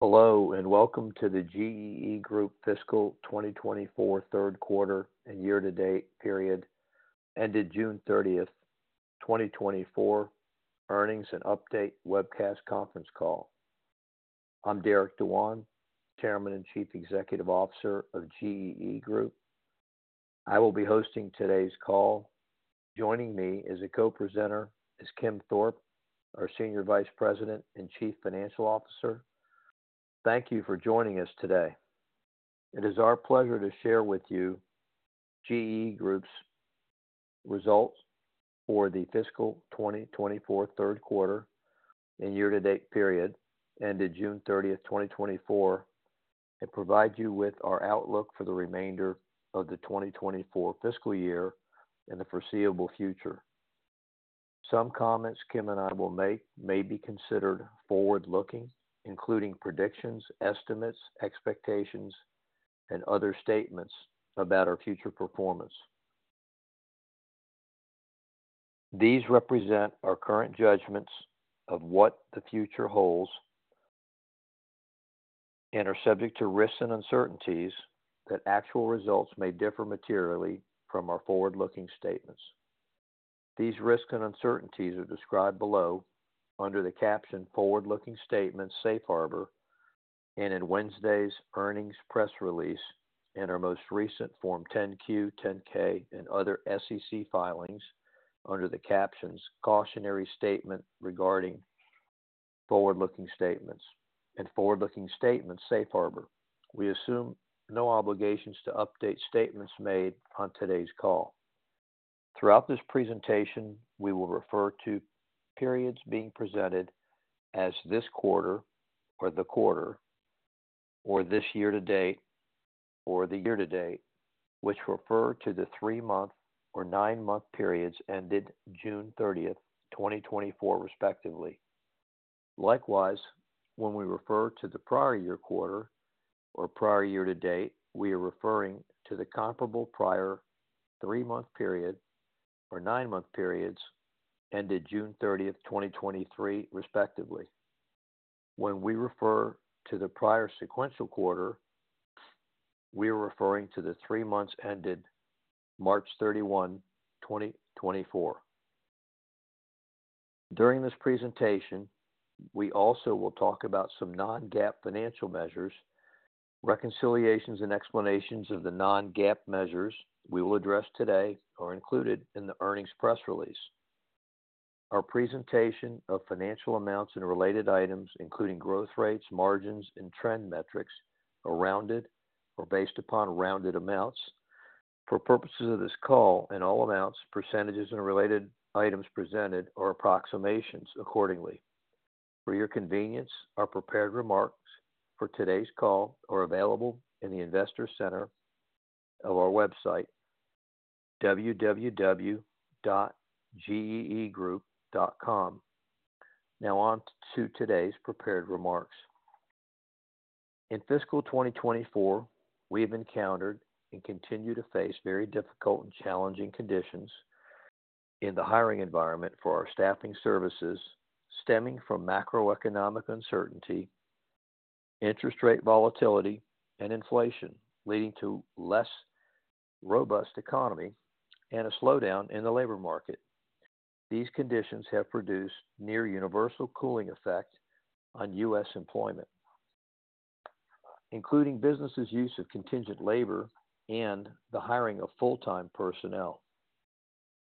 Hello, and Welcome to the GEE Group Fiscal 2024 Third Quarter and Year-to-Date Period Ended, June 30th, 2024, Earnings and Update Webcast Conference Call. I'm Derek Dewan, Chairman and Chief Executive Officer of GEE Group. I will be hosting today's call. Joining me as a co-presenter is Kim Thorpe, our Senior Vice President and Chief Financial Officer. Thank you for joining us today. It is our pleasure to share with you GEE Group's results for the fiscal 2024 third quarter and year-to-date period ended, June 30th, 2024, and provide you with our outlook for the remainder of the 2024 fiscal year and the foreseeable future. Some comments Kim and I will make may be considered forward-looking, including predictions, estimates, expectations, and other statements about our future performance. These represent our current judgments of what the future holds and are subject to risks and uncertainties that actual results may differ materially from our forward-looking statements. These risks and uncertainties are described below under the caption Forward-Looking Statements Safe Harbor, and in Wednesday's earnings press release, and our most recent Form 10-Q, 10-K, and other SEC filings under the captions: Cautionary Statement regarding Forward-Looking Statements and Forward-Looking Statements Safe Harbor. We assume no obligations to update statements made on today's call. Throughout this presentation, we will refer to periods being presented as this quarter or the quarter, or this year to date or the year to date, which refer to the three-month or nine-month periods ended June 30th, 2024, respectively. Likewise, when we refer to the prior year quarter or prior year to date, we are referring to the comparable prior 3-month period or 9-month periods ended June 30, 2023, respectively. When we refer to the prior sequential quarter, we are referring to the 3 months ended March 31, 2024. During this presentation, we also will talk about some non-GAAP financial measures. Reconciliations and explanations of the non-GAAP measures we will address today are included in the earnings press release. Our presentation of financial amounts and related items, including growth rates, margins, and trend metrics, are rounded or based upon rounded amounts. For purposes of this call and all amounts, percentages and related items presented are approximations accordingly. For your convenience, our prepared remarks for today's call are available in the Investor Center of our website, www.gegroup.com. Now on to today's prepared remarks. In fiscal 2024, we have encountered and continue to face very difficult and challenging conditions in the hiring environment for our staffing services, stemming from macroeconomic uncertainty, interest rate volatility, and inflation, leading to less robust economy and a slowdown in the labor market. These conditions have produced near universal cooling effect on U.S. employment, including businesses' use of contingent labor and the hiring of full-time personnel.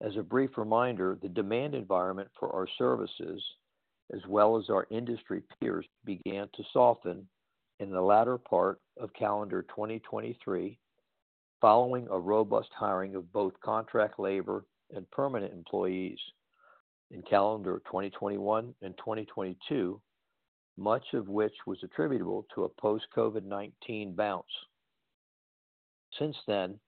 As a brief reminder, the demand environment for our services, as well as our industry peers, began to soften in the latter part of calendar 2023, following a robust hiring of both contract labor and permanent employees in calendar 2021 and 2022, much of which was attributable to a post-COVID-19 bounce. Since then,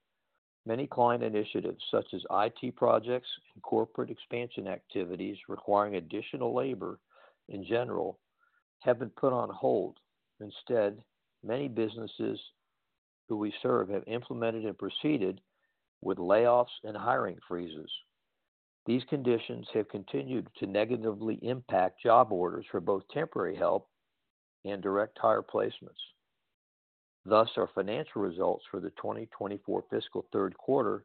many client initiatives, such as IT projects and corporate expansion activities requiring additional labor in general, have been put on hold. Instead, many businesses who we serve have implemented and proceeded with layoffs and hiring freezes. These conditions have continued to negatively impact job orders for both temporary help and direct hire placements. Thus, our financial results for the 2024 fiscal third quarter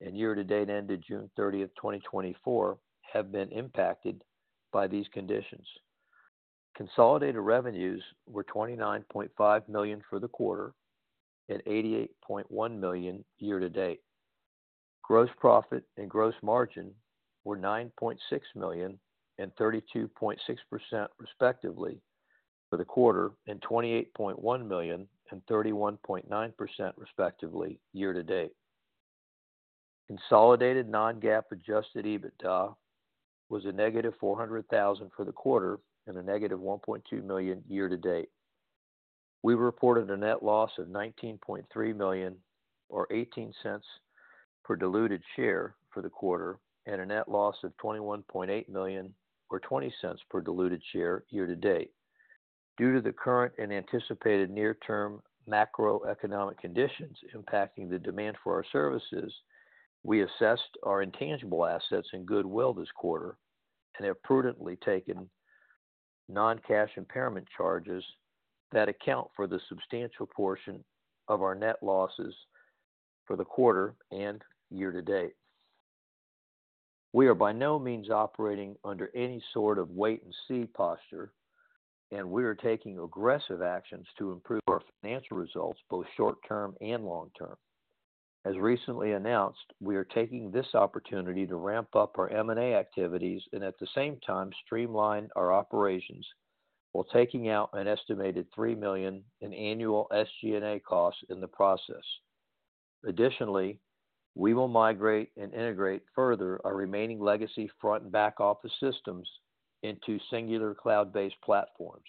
and year-to-date ended June 30, 2024, have been impacted by these conditions. Consolidated revenues were $29.5 million for the quarter and $88.1 million year to date. Gross profit and gross margin were $9.6 million and 32.6%, respectively, for the quarter, and $28.1 million and 31.9%, respectively, year to date. Consolidated non-GAAP Adjusted EBITDA was a negative $400,000 for the quarter and a negative $1.2 million year to date. We reported a net loss of $19.3 million or $0.18 per diluted share for the quarter, and a net loss of $21.8 million or $0.20 per diluted share year-to-date. Due to the current and anticipated near-term macroeconomic conditions impacting the demand for our services, we assessed our intangible assets and goodwill this quarter, and have prudently taken non-cash impairment charges that account for the substantial portion of our net losses for the quarter and year-to-date. We are by no means operating under any sort of wait-and-see posture, and we are taking aggressive actions to improve our financial results, both short-term and long-term. As recently announced, we are taking this opportunity to ramp up our M&A activities and at the same time, streamline our operations, while taking out an estimated $3 million in annual SG&A costs in the process. Additionally, we will migrate and integrate further our remaining legacy front and back-office systems into singular cloud-based platforms.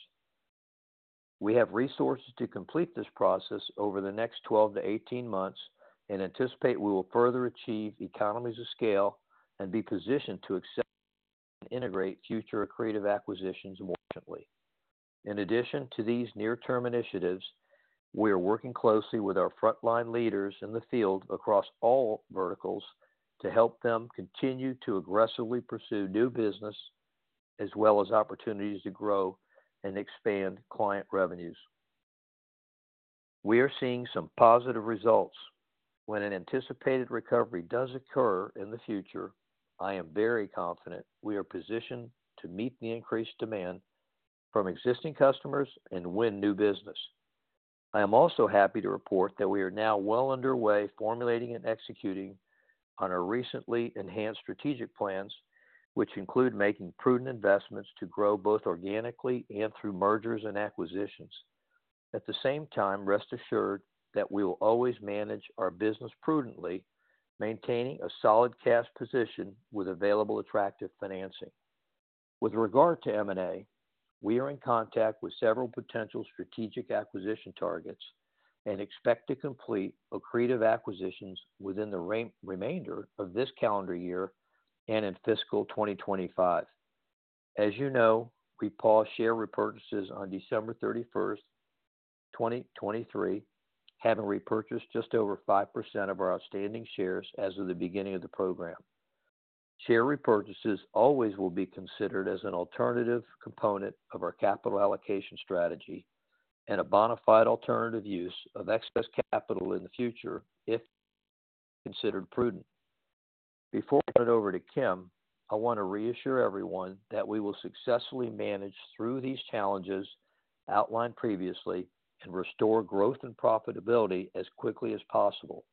We have resources to complete this process over the next 12-18 months and anticipate we will further achieve economies of scale and be positioned to accept and integrate future accretive acquisitions more efficiently. In addition to these near-term initiatives, we are working closely with our frontline leaders in the field across all verticals to help them continue to aggressively pursue new business, as well as opportunities to grow and expand client revenues. We are seeing some positive results. When an anticipated recovery does occur in the future, I am very confident we are positioned to meet the increased demand from existing customers and win new business. I am also happy to report that we are now well underway, formulating and executing on our recently enhanced strategic plans, which include making prudent investments to grow both organically and through mergers and acquisitions. At the same time, rest assured that we will always manage our business prudently, maintaining a solid cash position with available, attractive financing. With regard to M&A, we are in contact with several potential strategic acquisition targets and expect to complete accretive acquisitions within the remainder of this calendar year and in fiscal 2025. As you know, we paused share repurchases on December 31st, 2023, having repurchased just over 5% of our outstanding shares as of the beginning of the program. Share repurchases always will be considered as an alternative component of our capital allocation strategy and a bona fide alternative use of excess capital in the future, if considered prudent. Before I turn it over to Kim, I want to reassure everyone that we will successfully manage through these challenges outlined previously and restore growth and profitability as quickly as possible.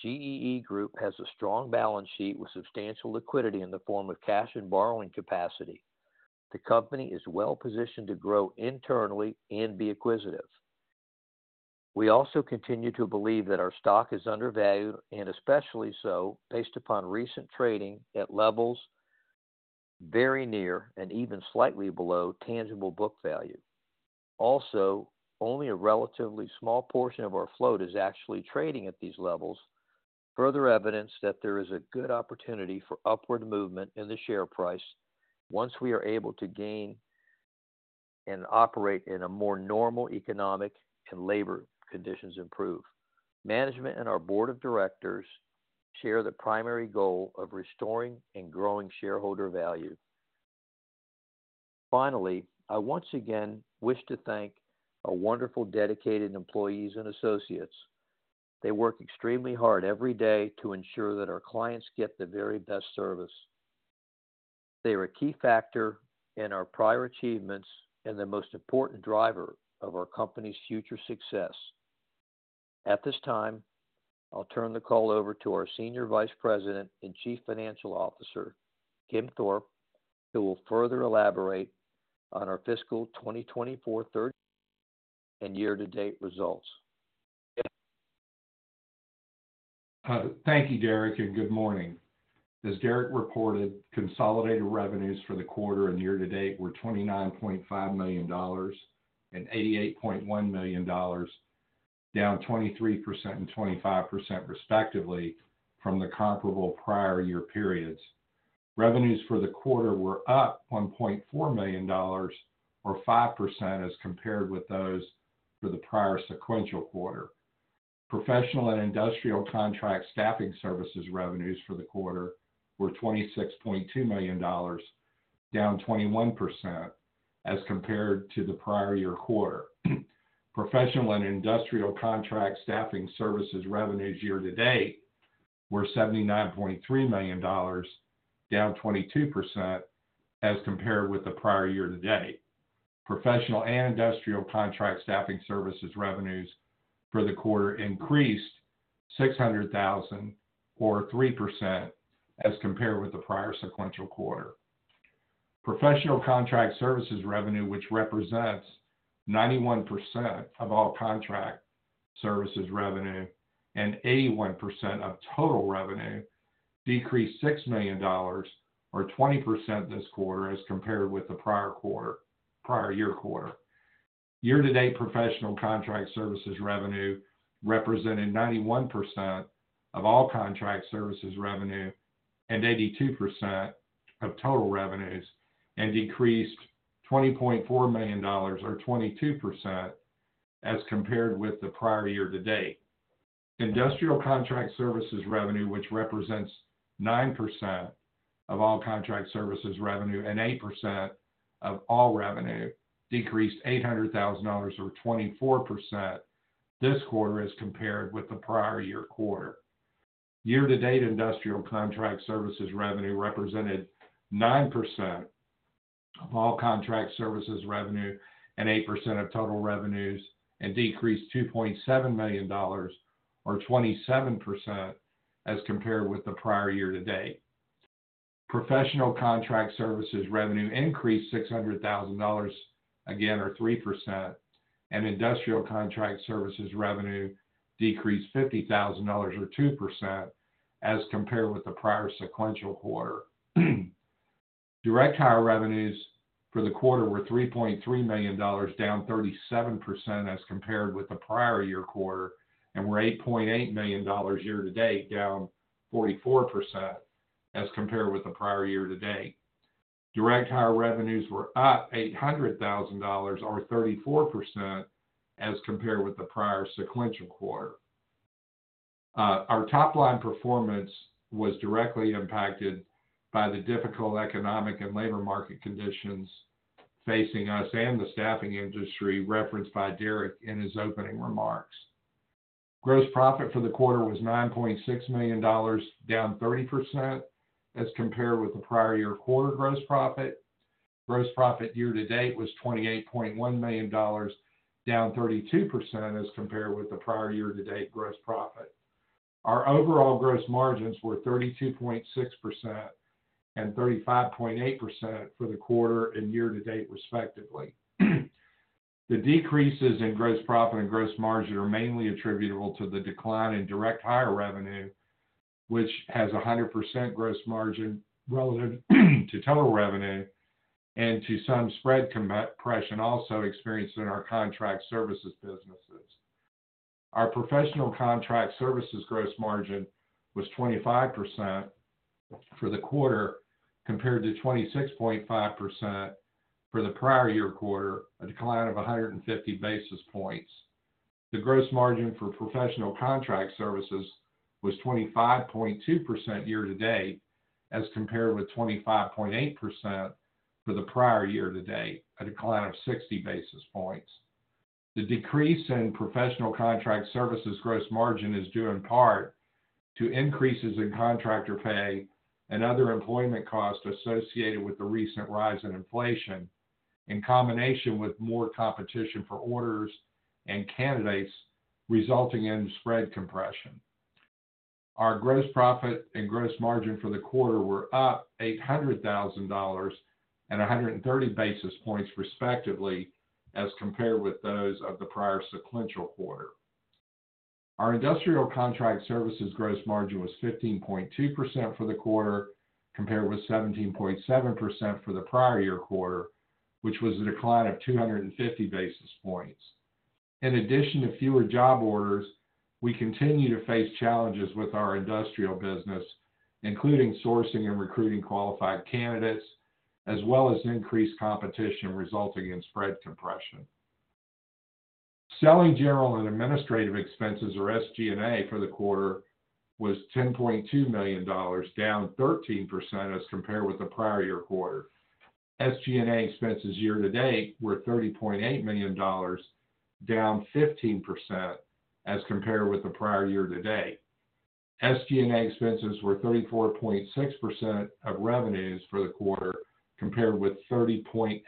GEE Group has a strong balance sheet with substantial liquidity in the form of cash and borrowing capacity. The company is well positioned to grow internally and be acquisitive. We also continue to believe that our stock is undervalued and especially so based upon recent trading at levels very near and even slightly below tangible book value. Also, only a relatively small portion of our float is actually trading at these levels. Further evidence that there is a good opportunity for upward movement in the share price once we are able to gain and operate in a more normal economic and labor conditions improve. Management and our board of directors share the primary goal of restoring and growing shareholder value. Finally, I once again wish to thank our wonderful, dedicated employees and associates. They work extremely hard every day to ensure that our clients get the very best service. They are a key factor in our prior achievements and the most important driver of our company's future success. At this time, I'll turn the call over to our Senior Vice President and Chief Financial Officer, Kim Thorpe, who will further elaborate on our fiscal 2024 third and year-to-date results. Kim? Thank you, Derek, and good morning. As Derek reported, consolidated revenues for the quarter and year-to-date were $29.5 million and $88.1 million, down 23% and 25% respectively from the comparable prior year periods. Revenues for the quarter were up $1.4 million or 5% as compared with those for the prior sequential quarter. Professional and industrial contract staffing services revenues for the quarter were $26.2 million, down 21% as compared to the prior year quarter. Professional and industrial contract staffing services revenues year-to-date were $79.3 million, down 22% as compared with the prior year-to-date. Professional and industrial contract staffing services revenues for the quarter increased $600,000, or 3%, as compared with the prior sequential quarter. Professional contract services revenue, which represents 91% of all contract services revenue and 81% of total revenue, decreased $6 million or 20% this quarter as compared with the prior year quarter. Year-to-date professional contract services revenue, representing 91% of all contract services revenue and 82% of total revenues, and decreased $20.4 million or 22% as compared with the prior year-to-date. Industrial contract services revenue, which represents 9% of all contract services revenue and 8% of all revenue, decreased $800,000 or 24% this quarter as compared with the prior year quarter. Year-to-date industrial contract services revenue represented 9% of all contract services revenue and 8% of total revenues, and decreased $2.7 million or 27% as compared with the prior year to date. Professional contract services revenue increased $600,000, again, or 3%, and industrial contract services revenue decreased $50,000 or 2% as compared with the prior sequential quarter. Direct hire revenues for the quarter were $3.3 million, down 37% as compared with the prior year quarter, and were $8.8 million year to date, down 44% as compared with the prior year to date. Direct hire revenues were up $800,000 or 34% as compared with the prior sequential quarter. Our top-line performance was directly impacted by the difficult economic and labor market conditions facing us and the staffing industry, referenced by Derek in his opening remarks. Gross profit for the quarter was $9.6 million, down 30% as compared with the prior year quarter gross profit. Gross profit year to date was $28.1 million, down 32% as compared with the prior year-to-date gross profit. Our overall gross margins were 32.6% and 35.8% for the quarter and year to date, respectively. The decreases in gross profit and gross margin are mainly attributable to the decline in direct hire revenue, which has a 100% gross margin relative to total revenue and to some spread compression also experienced in our contract services businesses. Our professional contract services gross margin was 25% for the quarter, compared to 26.5% for the prior year quarter, a decline of 150 basis points. The gross margin for professional contract services was 25.2% year to date, as compared with 25.8% for the prior year to date, a decline of 60 basis points. The decrease in professional contract services gross margin is due in part to increases in contractor pay and other employment costs associated with the recent rise in inflation, in combination with more competition for orders and candidates, resulting in spread compression. Our gross profit and gross margin for the quarter were up $800,000 and 130 basis points, respectively, as compared with those of the prior sequential quarter. Our industrial contract services gross margin was 15.2% for the quarter, compared with 17.7% for the prior year quarter, which was a decline of 250 basis points. In addition to fewer job orders, we continue to face challenges with our industrial business, including sourcing and recruiting qualified candidates, as well as increased competition resulting in spread compression. Selling general and administrative expenses, or SG&A, for the quarter was $10.2 million, down 13% as compared with the prior year quarter. SG&A expenses year to date were $30.8 million, down 15% as compared with the prior year to date. SG&A expenses were 34.6% of revenues for the quarter, compared with 30.8%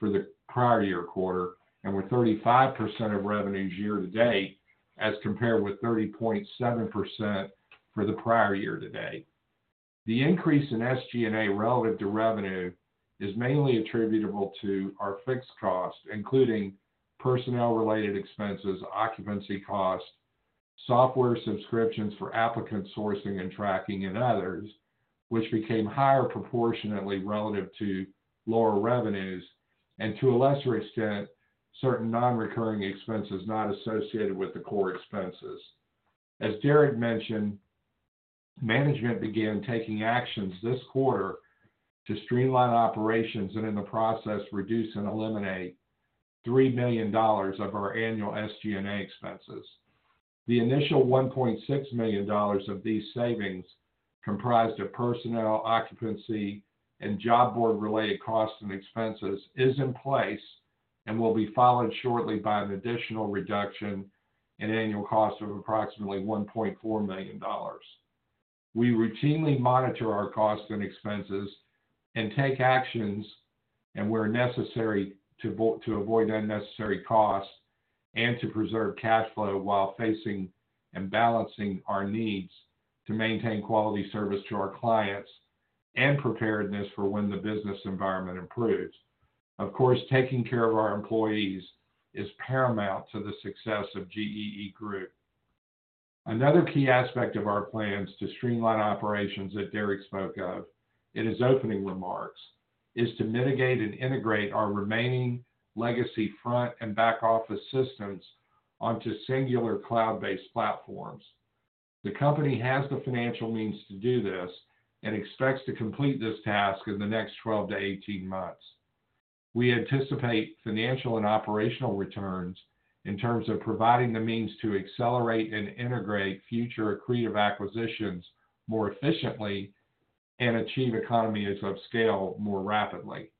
for the prior year quarter, and were 35% of revenues year to date, as compared with 30.7% for the prior year to date. The increase in SG&A relative to revenue is mainly attributable to our fixed costs, including personnel-related expenses, occupancy costs, software subscriptions for applicant sourcing and tracking, and others, which became higher proportionately relative to lower revenues, and to a lesser extent, certain non-recurring expenses not associated with the core expenses. As Derek mentioned, management began taking actions this quarter to streamline operations and in the process, reduce and eliminate $3 million of our annual SG&A expenses. The initial $1.6 million of these savings, comprised of personnel, occupancy, and job board-related costs and expenses, is in place and will be followed shortly by an additional reduction in annual cost of approximately $1.4 million. We routinely monitor our costs and expenses and take actions, and where necessary, to avoid unnecessary costs and to preserve cash flow while facing and balancing our needs to maintain quality service to our clients and preparedness for when the business environment improves. Of course, taking care of our employees is paramount to the success of GEE Group. Another key aspect of our plans to streamline operations that Derek spoke of in his opening remarks, is to migrate and integrate our remaining legacy front and back-office systems onto singular cloud-based platforms. The company has the financial means to do this and expects to complete this task in the next 12-18 months. We anticipate financial and operational returns in terms of providing the means to accelerate and integrate future accretive acquisitions more efficiently and achieve economies of scale more rapidly.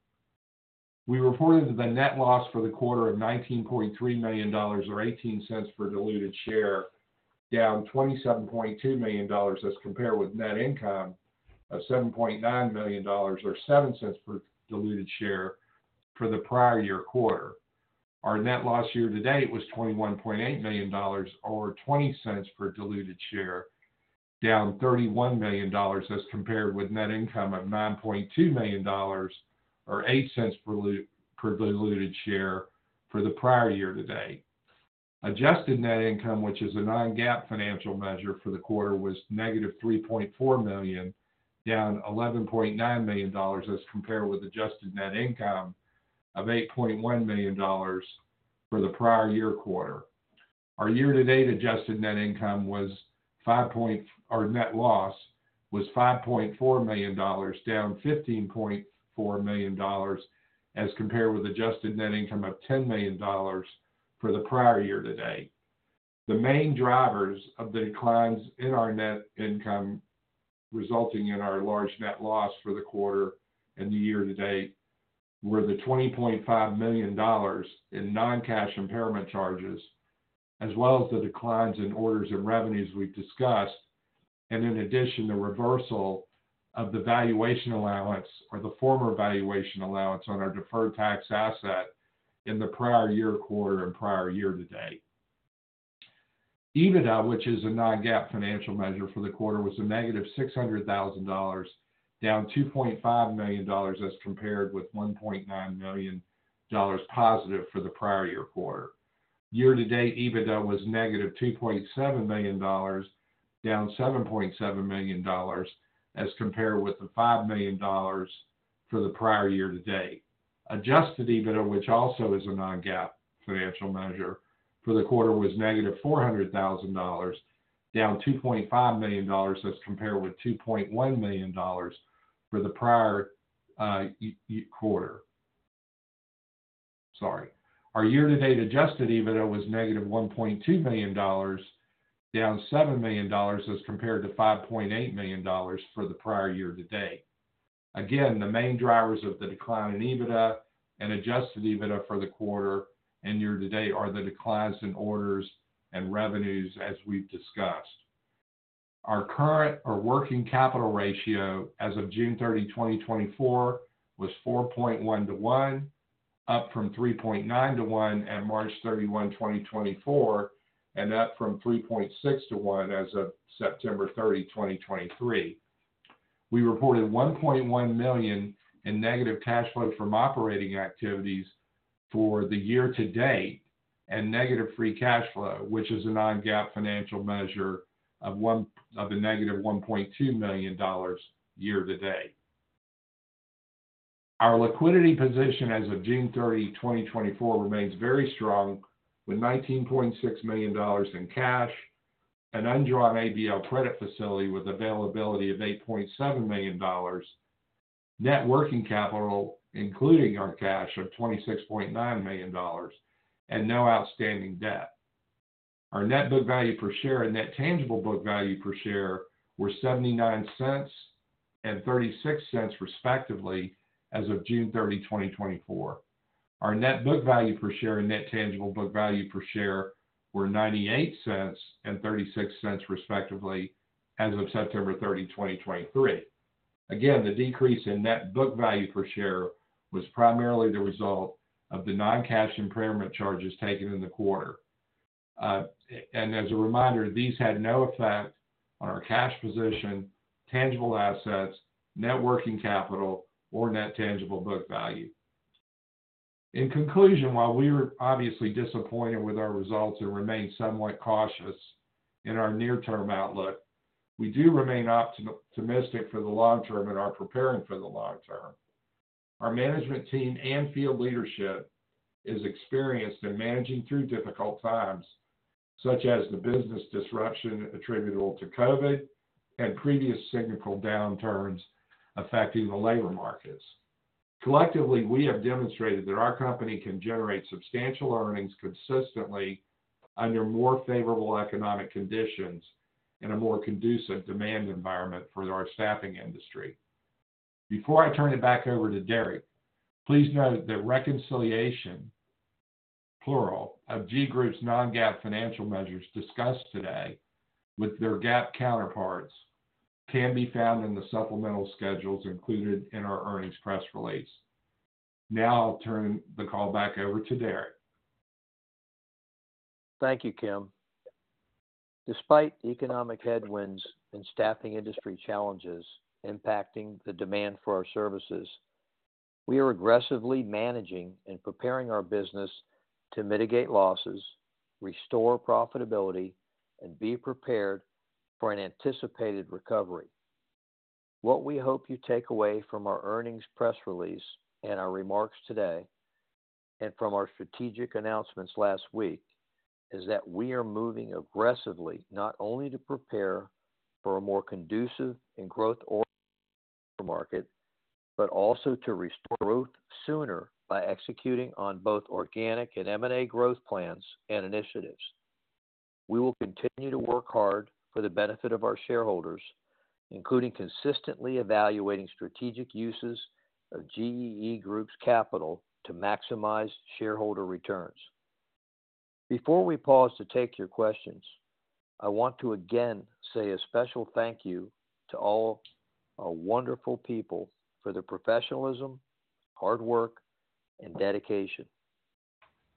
We reported the net loss for the quarter of $19.3 million, or $0.18 per diluted share, down $27.2 million as compared with net income of $7.9 million, or $0.07 per diluted share for the prior year quarter. Our net loss year-to-date was $21.8 million, or $0.20 per diluted share, down $31 million as compared with net income of $9.2 million, or $0.08 per diluted share for the prior year to date. Adjusted net income, which is a non-GAAP financial measure for the quarter, was -$3.4 million, down $11.9 million as compared with adjusted net income of $8.1 million for the prior year quarter. Our year-to-date adjusted net income was 5 point... Our net loss was $5.4 million, down $15.4 million, as compared with adjusted net income of $10 million for the prior year to date. The main drivers of the declines in our net income, resulting in our large net loss for the quarter and the year to date, were the $20.5 million in non-cash impairment charges, as well as the declines in orders and revenues we've discussed, and in addition, the reversal of the valuation allowance or the former valuation allowance on our deferred tax asset in the prior year quarter and prior year to date. EBITDA, which is a non-GAAP financial measure for the quarter, was a negative $600,000, down $2.5 million, as compared with $1.9 million positive for the prior year quarter. Year-to-date, EBITDA was negative $2.7 million, down $7.7 million, as compared with $5 million for the prior year to date. Adjusted EBITDA, which also is a non-GAAP financial measure for the quarter, was negative $400,000, down $2.5 million, as compared with $2.1 million for the prior quarter. Sorry. Our year-to-date adjusted EBITDA was negative $1.2 million, down $7 million, as compared to $5.8 million for the prior year to date. Again, the main drivers of the decline in EBITDA and adjusted EBITDA for the quarter and year to date are the declines in orders and revenues, as we've discussed. Our current or working capital ratio as of June 30, 2024, was 4.1 to 1, up from 3.9 to 1 at March 31, 2024, and up from 3.6 to 1 as of September 30, 2023. We reported -$1.1 million in negative cash flow from operating activities for the year to date, and negative free cash flow, which is a non-GAAP financial measure of a negative $1.2 million year to date. Our liquidity position as of June 30, 2024, remains very strong, with $19.6 million in cash, an undrawn ABL credit facility with availability of $8.7 million, net working capital, including our cash, of $26.9 million, and no outstanding debt. Our net book value per share and net tangible book value per share were $0.79 and $0.36, respectively, as of June 30, 2024. Our net book value per share and net tangible book value per share were $0.98 and $0.36, respectively, as of September 30, 2023. Again, the decrease in net book value per share was primarily the result of the non-cash impairment charges taken in the quarter. And as a reminder, these had no effect on our cash position, tangible assets, net working capital, or net tangible book value. In conclusion, while we are obviously disappointed with our results and remain somewhat cautious in our near-term outlook, we do remain optimistic for the long term and are preparing for the long term. Our management team and field leadership is experienced in managing through difficult times, such as the business disruption attributable to COVID and previous cyclical downturns affecting the labor markets. Collectively, we have demonstrated that our company can generate substantial earnings consistently under more favorable economic conditions and a more conducive demand environment for our staffing industry. Before I turn it back over to Derek, please note that reconciliations of GEE Group's non-GAAP financial measures discussed today with their GAAP counterparts can be found in the supplemental schedules included in our earnings press release. Now I'll turn the call back over to Derek. Thank you, Kim. Despite the economic headwinds and staffing industry challenges impacting the demand for our services, we are aggressively managing and preparing our business to mitigate losses, restore profitability, and be prepared for an anticipated recovery. What we hope you take away from our earnings press release and our remarks today and from our strategic announcements last week, is that we are moving aggressively, not only to prepare for a more conducive and growth order market, but also to restore growth sooner by executing on both organic and M&A growth plans and initiatives. We will continue to work hard for the benefit of our shareholders, including consistently evaluating strategic uses of GEE Group's capital to maximize shareholder returns. Before we pause to take your questions, I want to again say a special thank you to all our wonderful people for their professionalism, hard work, and dedication.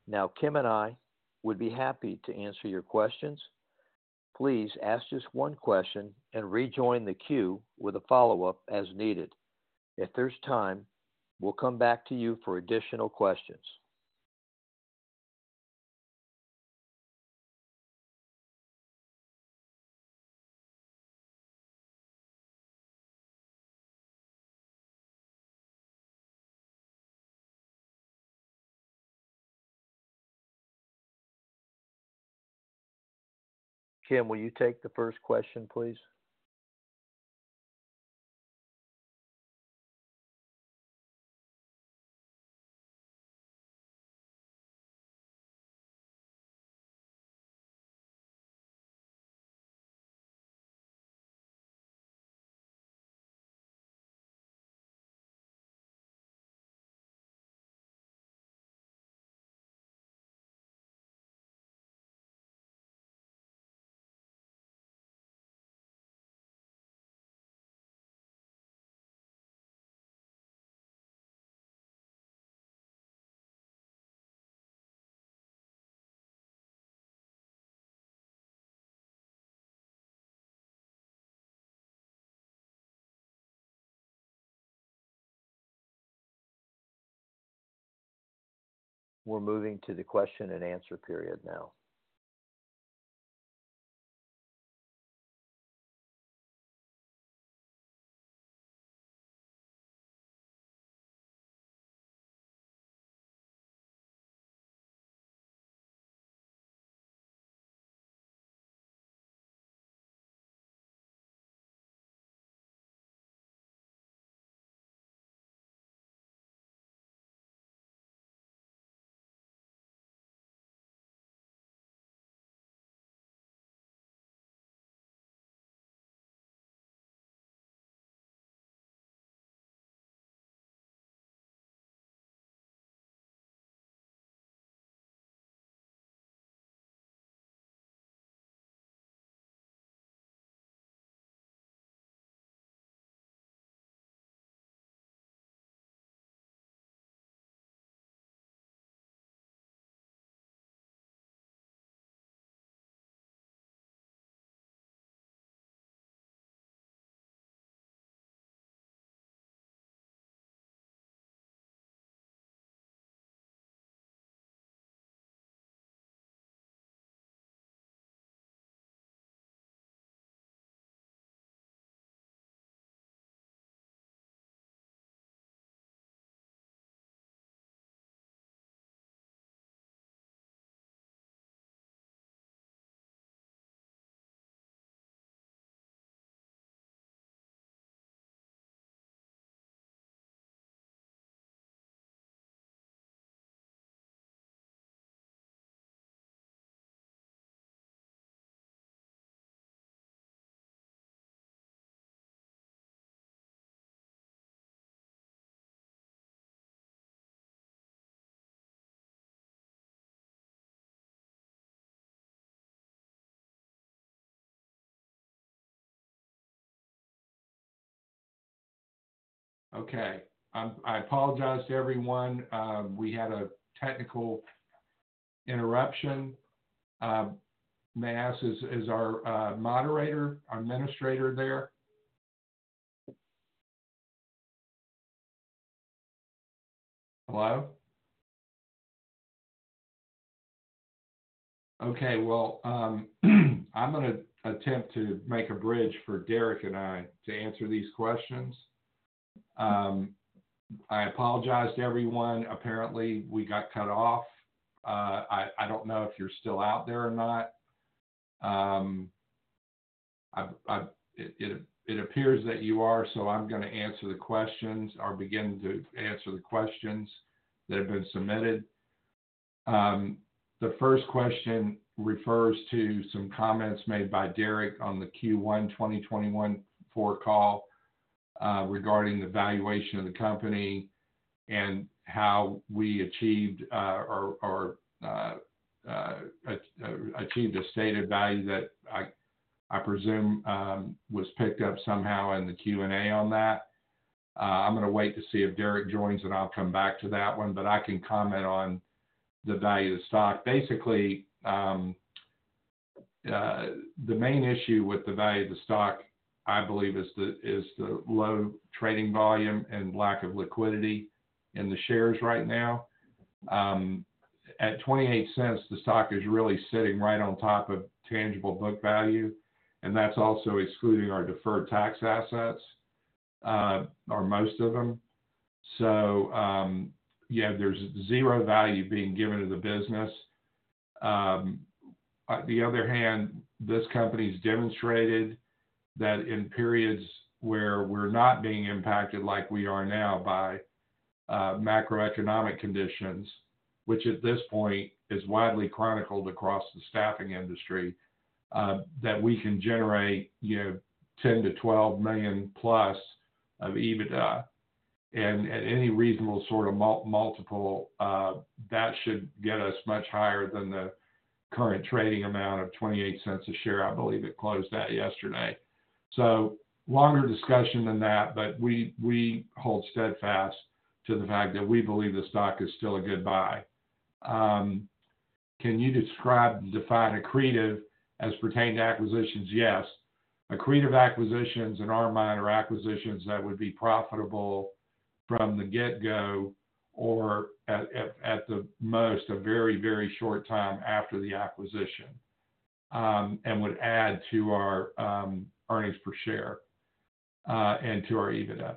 Now, Kim and I would be happy to answer your questions. Please ask just one question and rejoin the queue with a follow-up as needed. If there's time, we'll come back to you for additional questions. Kim, will you take the first question, please? We're moving to the question and answer period now. Okay, I apologize to everyone. We had a technical interruption. May I ask, is our moderator, our administrator there? Hello? Okay, well, I'm gonna attempt to make a bridge for Derek and I to answer these questions. I apologize to everyone. Apparently, we got cut off. I don't know if you're still out there or not. It appears that you are, so I'm gonna answer the questions or begin to answer the questions that have been submitted. The first question refers to some comments made by Derek on the Q1 2021 forward call, regarding the valuation of the company and how we achieved, or achieved a stated value that I presume was picked up somehow in the Q&A on that. I'm gonna wait to see if Derek joins, and I'll come back to that one, but I can comment on the value of the stock. Basically, the main issue with the value of the stock, I believe, is the low trading volume and lack of liquidity in the shares right now. At $0.28, the stock is really sitting right on top of tangible book value, and that's also excluding our deferred tax assets... or most of them. So, yeah, there's zero value being given to the business. On the other hand, this company's demonstrated that in periods where we're not being impacted like we are now by macroeconomic conditions, which at this point is widely chronicled across the staffing industry, that we can generate, you know, $10 million-$12 million plus of EBITDA. At any reasonable sort of multiple, that should get us much higher than the current trading amount of $0.28 a share, I believe it closed at yesterday. Longer discussion than that, but we hold steadfast to the fact that we believe the stock is still a good buy. Can you describe and define accretive as pertained to acquisitions? Yes. Accretive acquisitions in our mind are acquisitions that would be profitable from the get-go or at the most, a very, very short time after the acquisition, and would add to our earnings per share and to our EBITDA.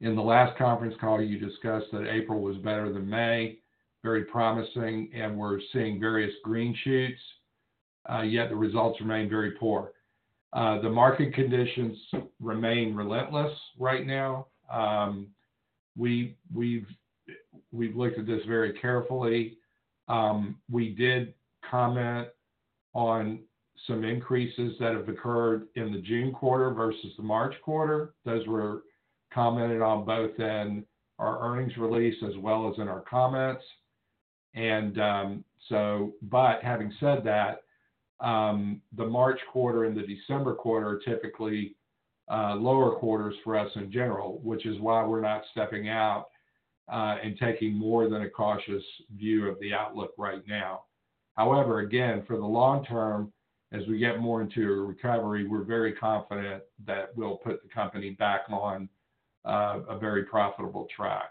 In the last conference call, you discussed that April was better than May, very promising, and we're seeing various green shoots, yet the results remain very poor. The market conditions remain relentless right now. We've looked at this very carefully. We did comment on some increases that have occurred in the June quarter versus the March quarter. Those were commented on both in our earnings release as well as in our comments. Having said that, the March quarter and the December quarter are typically lower quarters for us in general, which is why we're not stepping out and taking more than a cautious view of the outlook right now. However, again, for the long term, as we get more into a recovery, we're very confident that we'll put the company back on a very profitable track.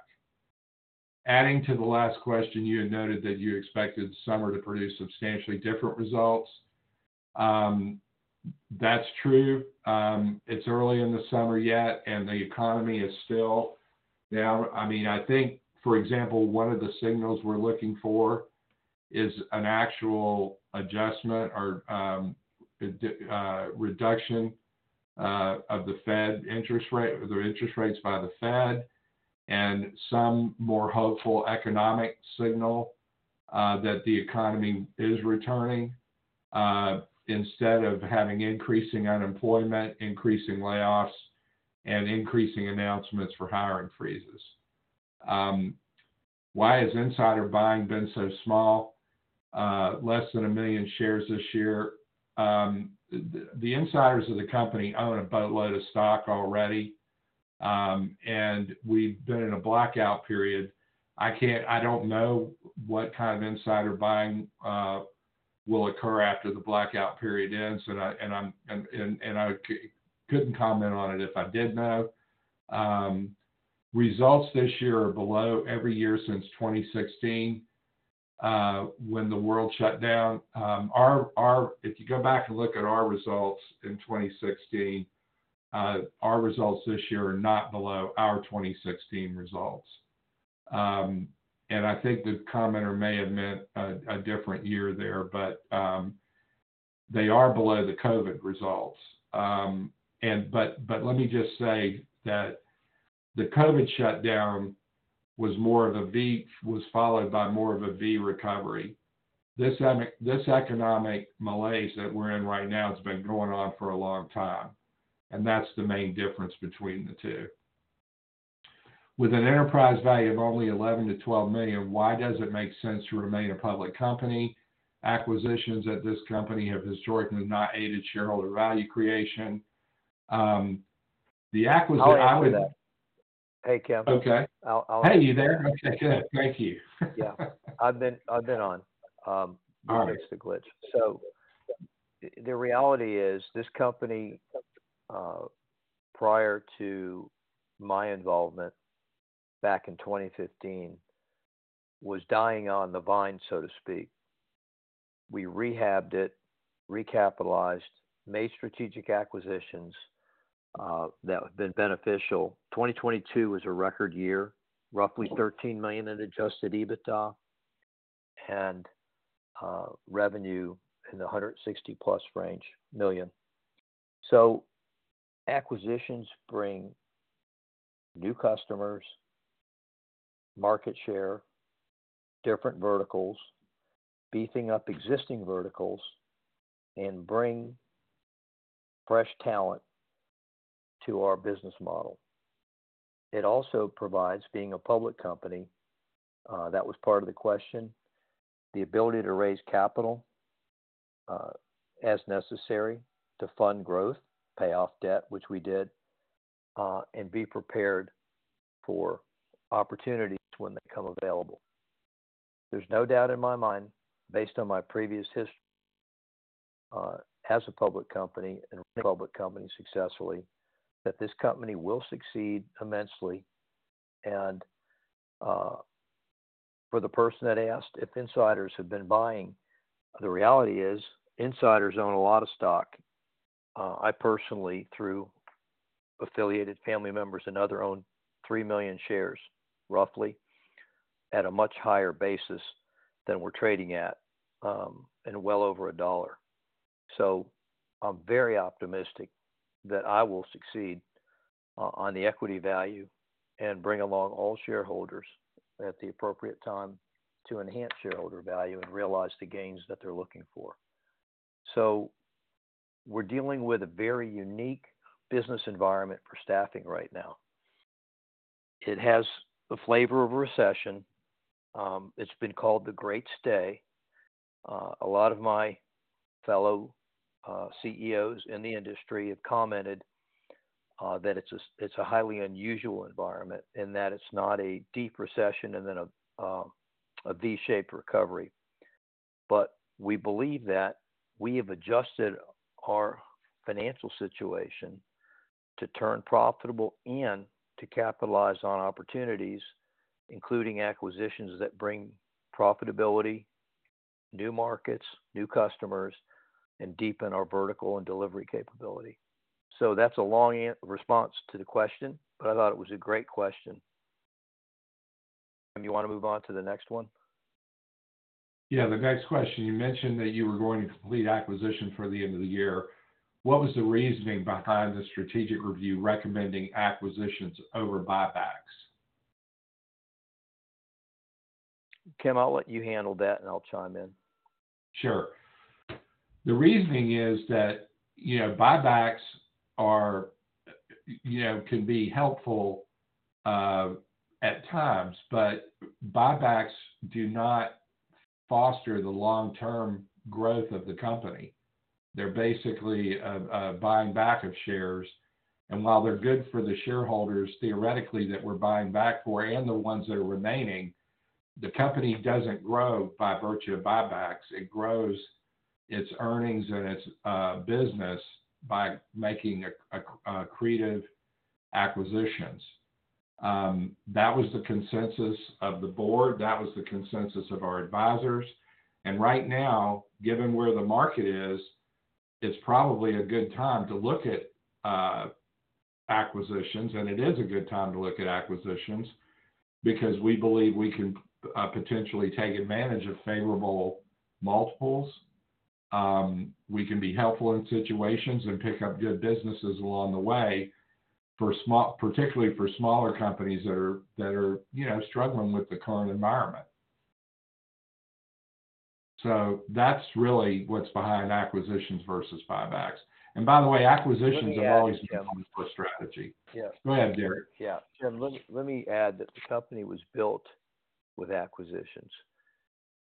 Adding to the last question, you had noted that you expected summer to produce substantially different results. That's true. It's early in the summer yet, and the economy is still down. I mean, I think, for example, one of the signals we're looking for is an actual adjustment or, reduction, of the Fed interest rate, or the interest rates by the Fed, and some more hopeful economic signal, that the economy is returning, instead of having increasing unemployment, increasing layoffs, and increasing announcements for hiring freezes. Why has insider buying been so small, less than 1 million shares this year? The insiders of the company own a boatload of stock already, and we've been in a blackout period. I can't—I don't know what kind of insider buying will occur after the blackout period ends, and I couldn't comment on it if I did know. Results this year are below every year since 2016, when the world shut down. If you go back and look at our results in 2016, our results this year are not below our 2016 results. And I think the commenter may have meant a different year there, but they are below the COVID results. But let me just say that the COVID shutdown was followed by more of a V recovery. This economic malaise that we're in right now has been going on for a long time, and that's the main difference between the two. With an enterprise value of only $11 million-$12 million, why does it make sense to remain a public company? Acquisitions at this company have historically not aided shareholder value creation. The acquisition I would- I'll answer that. Hey, Kim. Okay. I'll, I'll- Hey, you there? Okay, good. Thank you. Yeah. I've been on. All right. There's a glitch. So the reality is, this company, prior to my involvement back in 2015, was dying on the vine, so to speak. We rehabbed it, recapitalized, made strategic acquisitions, that have been beneficial. 2022 was a record year, roughly $13 million in Adjusted EBITDA and, revenue in the $160 million-plus range. So acquisitions bring new customers, market share, different verticals, beefing up existing verticals, and bring fresh talent to our business model. It also provides, being a public company, that was part of the question, the ability to raise capital, as necessary to fund growth, pay off debt, which we did, and be prepared for opportunities when they come available. There's no doubt in my mind, based on my previous history, as a public company and a public company successfully, that this company will succeed immensely and... For the person that asked if insiders have been buying, the reality is insiders own a lot of stock. I personally, through affiliated family members and other, own 3 million shares, roughly, at a much higher basis than we're trading at, and well over $1. So I'm very optimistic that I will succeed, on the equity value and bring along all shareholders at the appropriate time to enhance shareholder value and realize the gains that they're looking for. So we're dealing with a very unique business environment for staffing right now. It has the flavor of a recession. It's been called the Great Stay. A lot of my fellow CEOs in the industry have commented that it's a highly unusual environment, and that it's not a deep recession and then a V-shaped recovery. But we believe that we have adjusted our financial situation to turn profitable and to capitalize on opportunities, including acquisitions that bring profitability, new markets, new customers, and deepen our vertical and delivery capability. So that's a long response to the question, but I thought it was a great question. Do you want to move on to the next one? Yeah, the next question: you mentioned that you were going to complete acquisition for the end of the year. What was the reasoning behind the strategic review recommending acquisitions over buybacks? Kim, I'll let you handle that, and I'll chime in. Sure. The reasoning is that, you know, buybacks are, you know, can be helpful, at times, but buybacks do not foster the long-term growth of the company. They're basically, a buying back of shares, and while they're good for the shareholders, theoretically, that we're buying back for and the ones that are remaining, the company doesn't grow by virtue of buybacks. It grows its earnings and its business by making creative acquisitions. That was the consensus of the board, that was the consensus of our advisors. And right now, given where the market is, it's probably a good time to look at, acquisitions, and it is a good time to look at acquisitions because we believe we can, potentially take advantage of favorable multiples. We can be helpful in situations and pick up good businesses along the way for small, particularly for smaller companies that are, you know, struggling with the current environment. So that's really what's behind acquisitions versus buybacks. And by the way, acquisitions are always a good strategy. Yes. Go ahead, Derek. Yeah. Kim, let me, let me add that the company was built with acquisitions,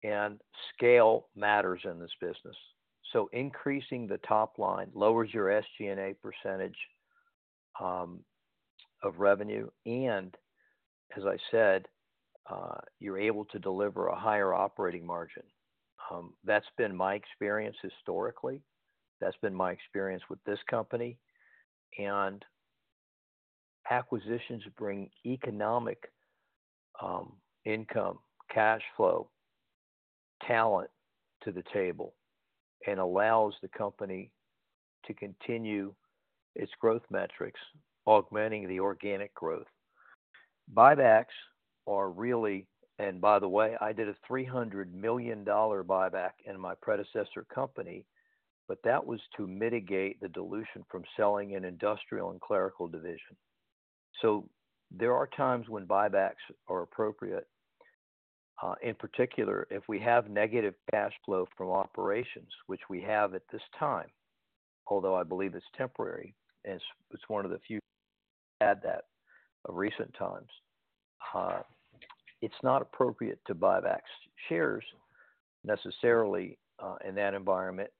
and scale matters in this business. So increasing the top line lowers your SG&A percentage of revenue, and as I said, you're able to deliver a higher operating margin. That's been my experience historically. That's been my experience with this company, and acquisitions bring economic income, cash flow, talent to the table and allows the company to continue its growth metrics, augmenting the organic growth. Buybacks are really... And by the way, I did a $300 million buyback in my predecessor company, but that was to mitigate the dilution from selling an industrial and clerical division. So there are times when buybacks are appropriate. In particular, if we have negative cash flow from operations, which we have at this time, although I believe it's temporary, and it's one of the few headwinds of recent times. It's not appropriate to buy back shares necessarily, in that environment.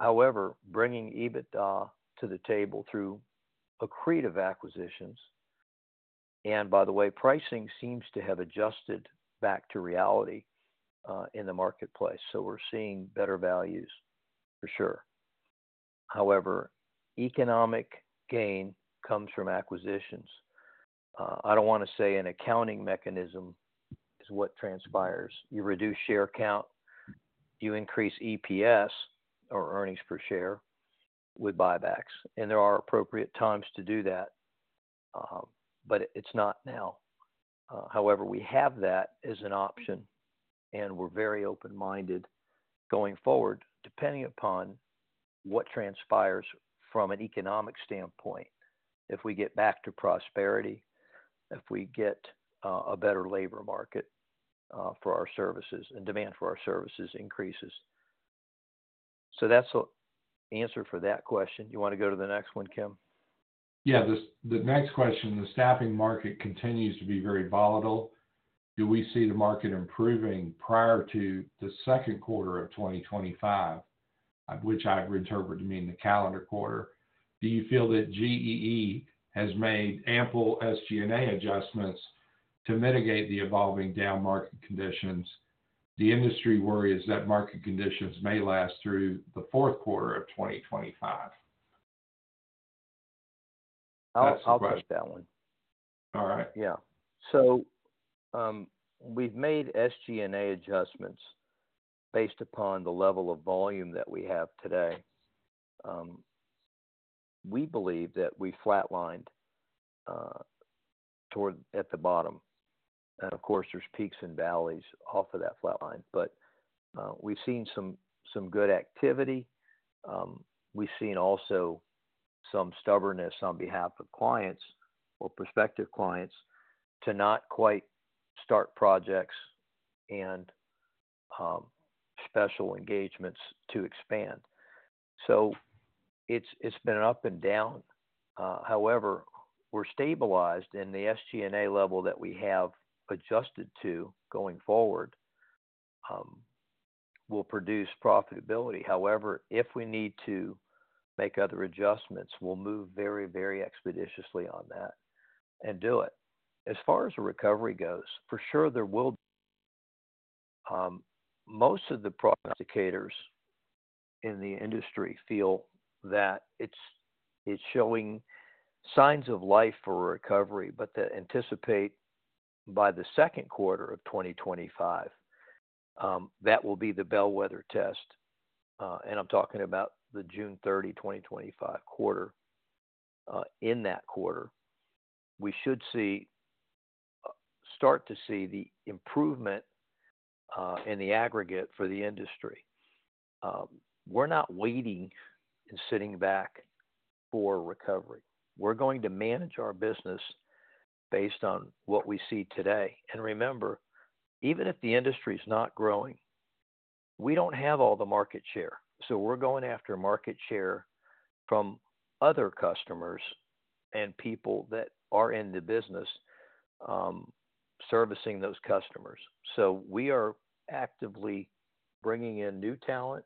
However, bringing EBITDA to the table through accretive acquisitions, and by the way, pricing seems to have adjusted back to reality, in the marketplace, so we're seeing better values for sure. However, economic gain comes from acquisitions. I don't wanna say an accounting mechanism is what transpires. You reduce share count, you increase EPS, or earnings per share, with buybacks, and there are appropriate times to do that, but it's not now. However, we have that as an option, and we're very open-minded going forward, depending upon what transpires from an economic standpoint, if we get back to prosperity, if we get a better labor market for our services, and demand for our services increases. So that's the answer for that question. You want to go to the next one, Kim? Yeah. The next question, the staffing market continues to be very volatile. Do we see the market improving prior to the second quarter of 2025? Which I've interpreted to mean the calendar quarter. Do you feel that GEE has made ample SG&A adjustments to mitigate the evolving down market conditions? The industry worry is that market conditions may last through the fourth quarter of 2025. I'll take that one. All right. Yeah. So, we've made SG&A adjustments based upon the level of volume that we have today. We believe that we flatlined at the bottom. And of course, there's peaks and valleys off of that flat line, but we've seen some good activity. We've seen also some stubbornness on behalf of clients or prospective clients to not quite start projects and special engagements to expand. So it's been up and down. However, we're stabilized, and the SG&A level that we have adjusted to going forward will produce profitability. However, if we need to make other adjustments, we'll move very, very expeditiously on that and do it. As far as the recovery goes, for sure, there will, most of the prognosticators in the industry feel that it's, it's showing signs of life for a recovery, but they anticipate by the second quarter of 2025, that will be the bellwether test. And I'm talking about the June 30, 2025 quarter. In that quarter, we should see start to see the improvement, in the aggregate for the industry. We're not waiting and sitting back for recovery. We're going to manage our business based on what we see today. And remember, even if the industry is not growing, we don't have all the market share, so we're going after market share from other customers and people that are in the business, servicing those customers. So we are actively bringing in new talent,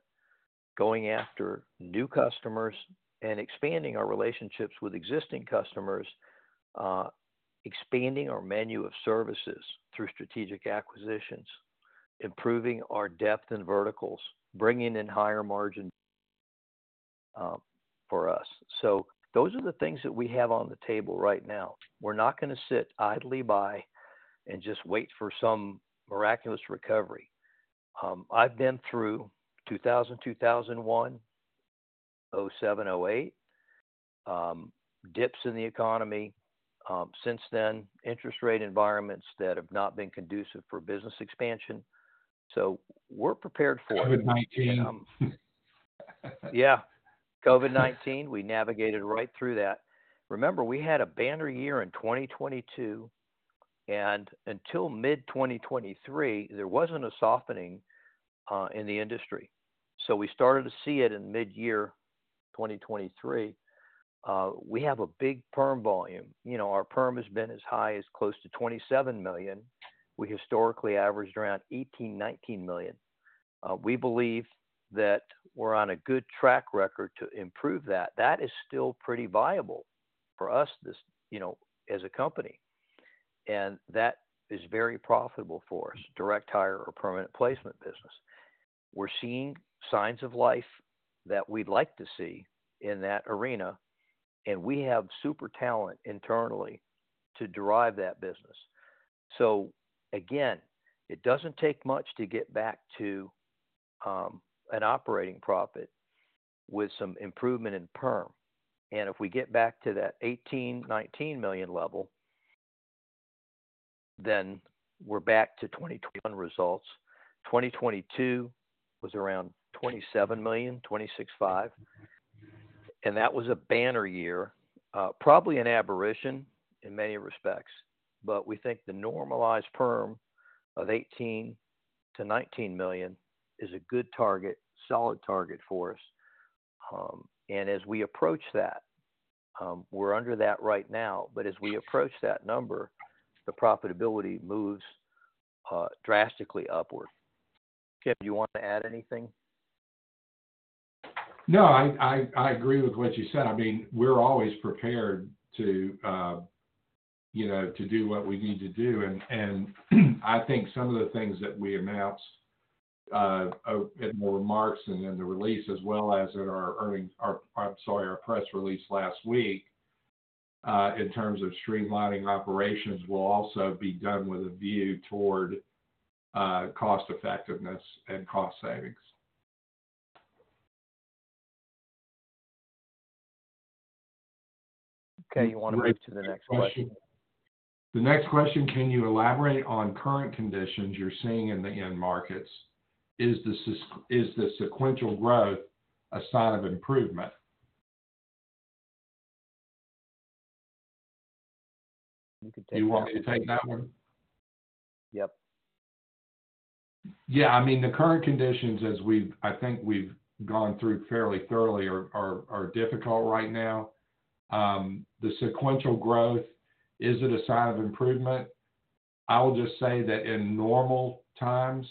going after new customers, and expanding our relationships with existing customers, expanding our menu of services through strategic acquisitions, improving our depth in verticals, bringing in higher margin, for us. So those are the things that we have on the table right now. We're not going to sit idly by and just wait for some miraculous recovery. I've been through 2000, 2001, 2007, 2008, dips in the economy, since then, interest rate environments that have not been conducive for business expansion, so we're prepared for it. COVID-19. Yeah, COVID-19, we navigated right through that. Remember, we had a banner year in 2022, and until mid-2023, there wasn't a softening in the industry. So we started to see it in mid-year 2023. We have a big perm volume. You know, our perm has been as high as close to $27 million. We historically averaged around $18 million, $19 million. We believe that we're on a good track record to improve that. That is still pretty viable for us, this, you know, as a company, and that is very profitable for us, direct hire or permanent placement business. We're seeing signs of life that we'd like to see in that arena, and we have super talent internally to drive that business. So again, it doesn't take much to get back to an operating profit with some improvement in perm. And if we get back to that $18 million-$19 million level, then we're back to 2021 results. 2022 was around $27 million, $26.5 million, and that was a banner year. Probably an aberration in many respects, but we think the normalized perm of $18 million-$19 million is a good target, solid target for us. And as we approach that, we're under that right now, but as we approach that number, the profitability moves drastically upward. Kim, do you want to add anything? No, I agree with what you said. I mean, we're always prepared to, you know, to do what we need to do. And I think some of the things that we announced in the remarks and in the release, as well as in our earnings, sorry, our press release last week, in terms of streamlining operations, will also be done with a view toward cost effectiveness and cost savings. Okay. You want to move to the next question? The next question, Can you elaborate on current conditions you're seeing in the end markets? Is the sequential growth a sign of improvement? You could take that. You want me to take that one? Yep. Yeah, I mean, the current conditions as we've I think we've gone through fairly thoroughly are difficult right now. The sequential growth, is it a sign of improvement? I will just say that in normal times,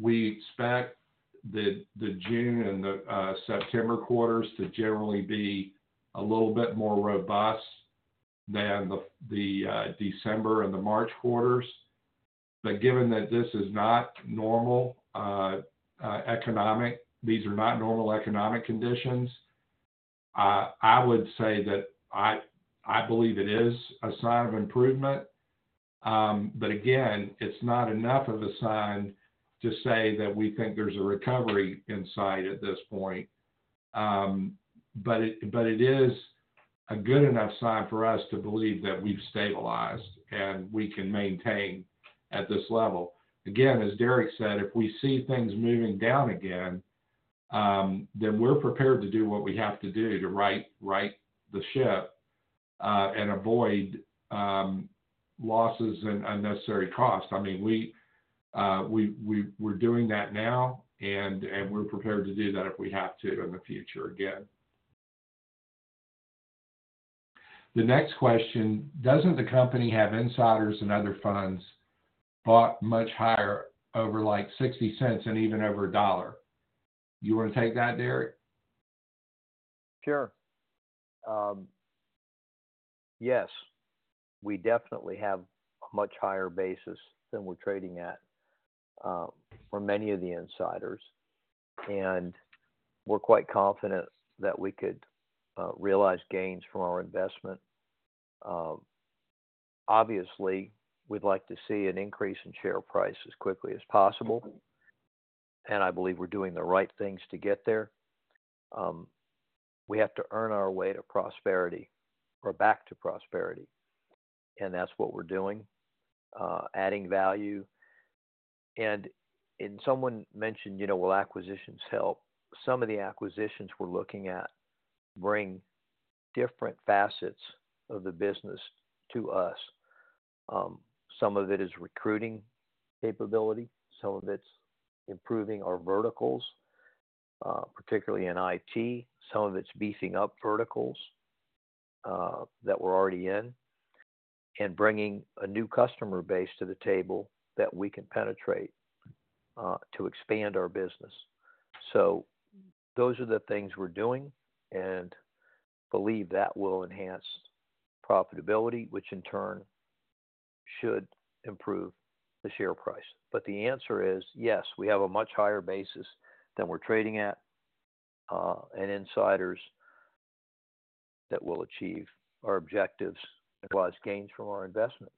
we expect the June and the September quarters to generally be a little bit more robust than the December and the March quarters... But given that this is not normal economic, these are not normal economic conditions, I would say that I believe it is a sign of improvement. But again, it's not enough of a sign to say that we think there's a recovery in sight at this point. But it is a good enough sign for us to believe that we've stabilized and we can maintain at this level. Again, as Derek said, if we see things moving down again, then we're prepared to do what we have to do to right the ship and avoid losses and unnecessary costs. I mean, we're doing that now, and we're prepared to do that if we have to in the future again. The next question: Doesn't the company have insiders and other funds bought much higher over, like, $0.60 and even over $1? You want to take that, Derek? Sure. Yes, we definitely have a much higher basis than we're trading at, for many of the insiders, and we're quite confident that we could realize gains from our investment. Obviously, we'd like to see an increase in share price as quickly as possible, and I believe we're doing the right things to get there. We have to earn our way to prosperity or back to prosperity, and that's what we're doing, adding value. And someone mentioned, you know, will acquisitions help? Some of the acquisitions we're looking at bring different facets of the business to us. Some of it is recruiting capability, some of it's improving our verticals, particularly in IT. Some of it's beefing up verticals that we're already in and bringing a new customer base to the table that we can penetrate, to expand our business. So those are the things we're doing, and believe that will enhance profitability, which in turn should improve the share price. But the answer is, yes, we have a much higher basis than we're trading at, and insiders that will achieve our objectives and realize gains from our investment.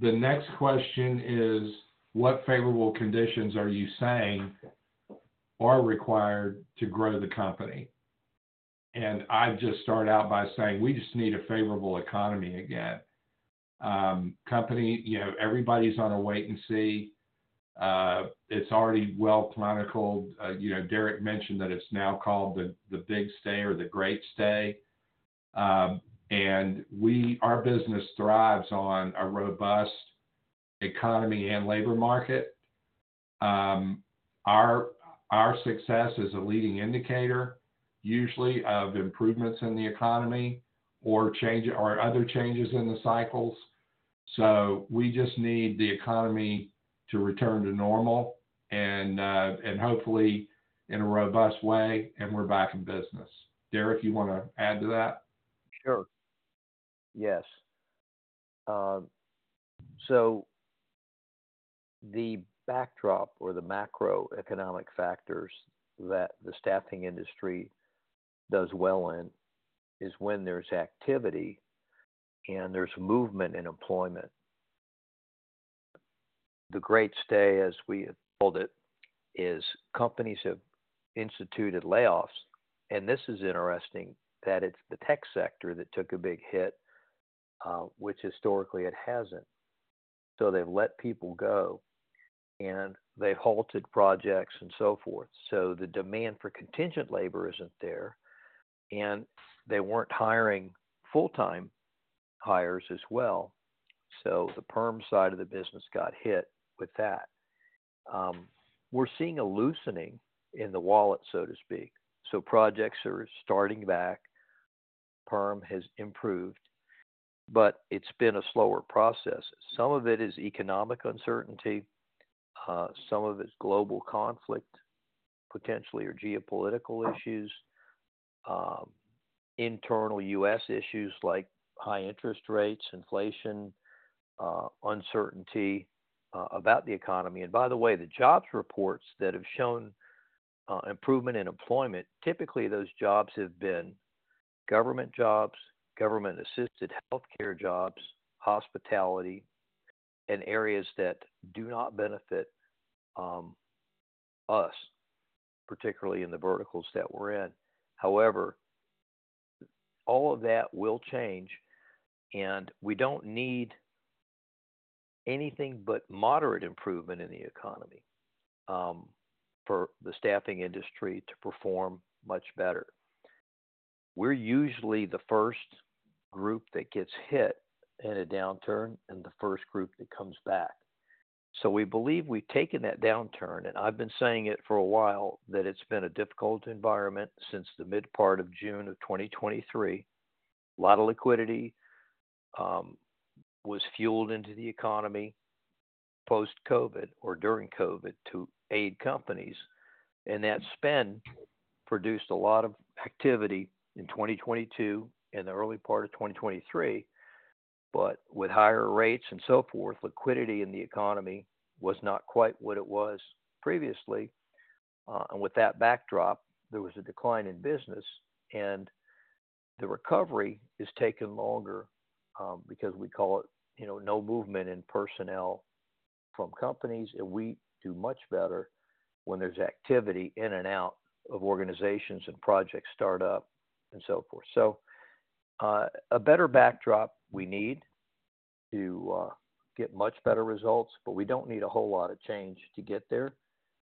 The next question is, what favorable conditions are you saying are required to grow the company? And I'd just start out by saying we just need a favorable economy again. Company, you know, everybody's on a wait and see. It's already well chronicled. You know, Derek mentioned that it's now called the, the Big Stay or the Great Stay. And we, our business thrives on a robust economy and labor market. Our, our success is a leading indicator, usually of improvements in the economy or change, or other changes in the cycles. So we just need the economy to return to normal and, and hopefully in a robust way, and we're back in business. Derek, you want to add to that? Sure. Yes. So the backdrop or the macroeconomic factors that the staffing industry does well in is when there's activity and there's movement in employment. The Great Stay, as we have called it, is companies have instituted layoffs, and this is interesting, that it's the tech sector that took a big hit, which historically it hasn't. So they've let people go, and they halted projects and so forth. So the demand for contingent labor isn't there, and they weren't hiring full-time hires as well. So the perm side of the business got hit with that. We're seeing a loosening in the wallet, so to speak, so projects are starting back. Perm has improved, but it's been a slower process. Some of it is economic uncertainty, some of it's global conflict, potentially, or geopolitical issues, internal U.S. issues like high interest rates, inflation, uncertainty about the economy. And by the way, the jobs reports that have shown improvement in employment, typically those jobs have been government jobs, government-assisted healthcare jobs, hospitality, and areas that do not benefit us, particularly in the verticals that we're in. However, all of that will change, and we don't need anything but moderate improvement in the economy for the staffing industry to perform much better. We're usually the first group that gets hit in a downturn and the first group that comes back. So we believe we've taken that downturn, and I've been saying it for a while, that it's been a difficult environment since the mid part of June of 2023. A lot of liquidity was fueled into the economy post-COVID or during COVID to aid companies, and that spend produced a lot of activity in 2022 and the early part of 2023. But with higher rates and so forth, liquidity in the economy was not quite what it was previously. And with that backdrop, there was a decline in business, and the recovery is taking longer, because we call it, you know, no movement in personnel from companies, and we do much better when there's activity in and out of organizations and project startup and so forth. So, a better backdrop we need to get much better results, but we don't need a whole lot of change to get there.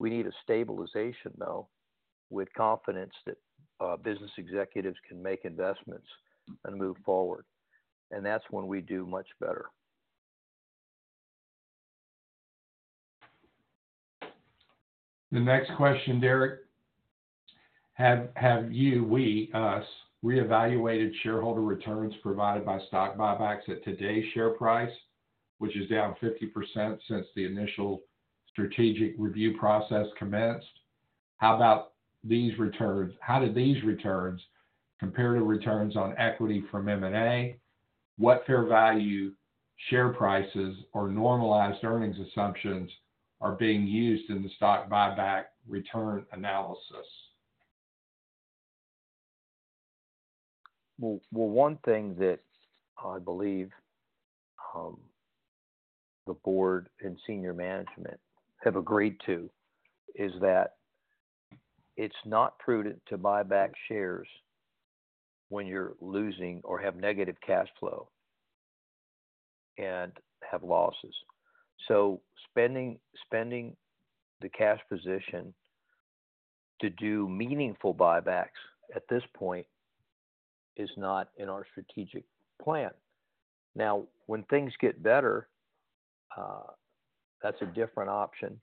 We need a stabilization, though, with confidence that business executives can make investments and move forward, and that's when we do much better. The next question, Derek: Have you reevaluated shareholder returns provided by stock buybacks at today's share price, which is down 50% since the initial strategic review process commenced? How about these returns? How did these returns compare to returns on equity from M&A? What fair value, share prices, or normalized earnings assumptions are being used in the stock buyback return analysis? Well, well, one thing that I believe the board and senior management have agreed to is that it's not prudent to buy back shares when you're losing or have negative cash flow and have losses. So spending the cash position to do meaningful buybacks at this point is not in our strategic plan. Now, when things get better, that's a different option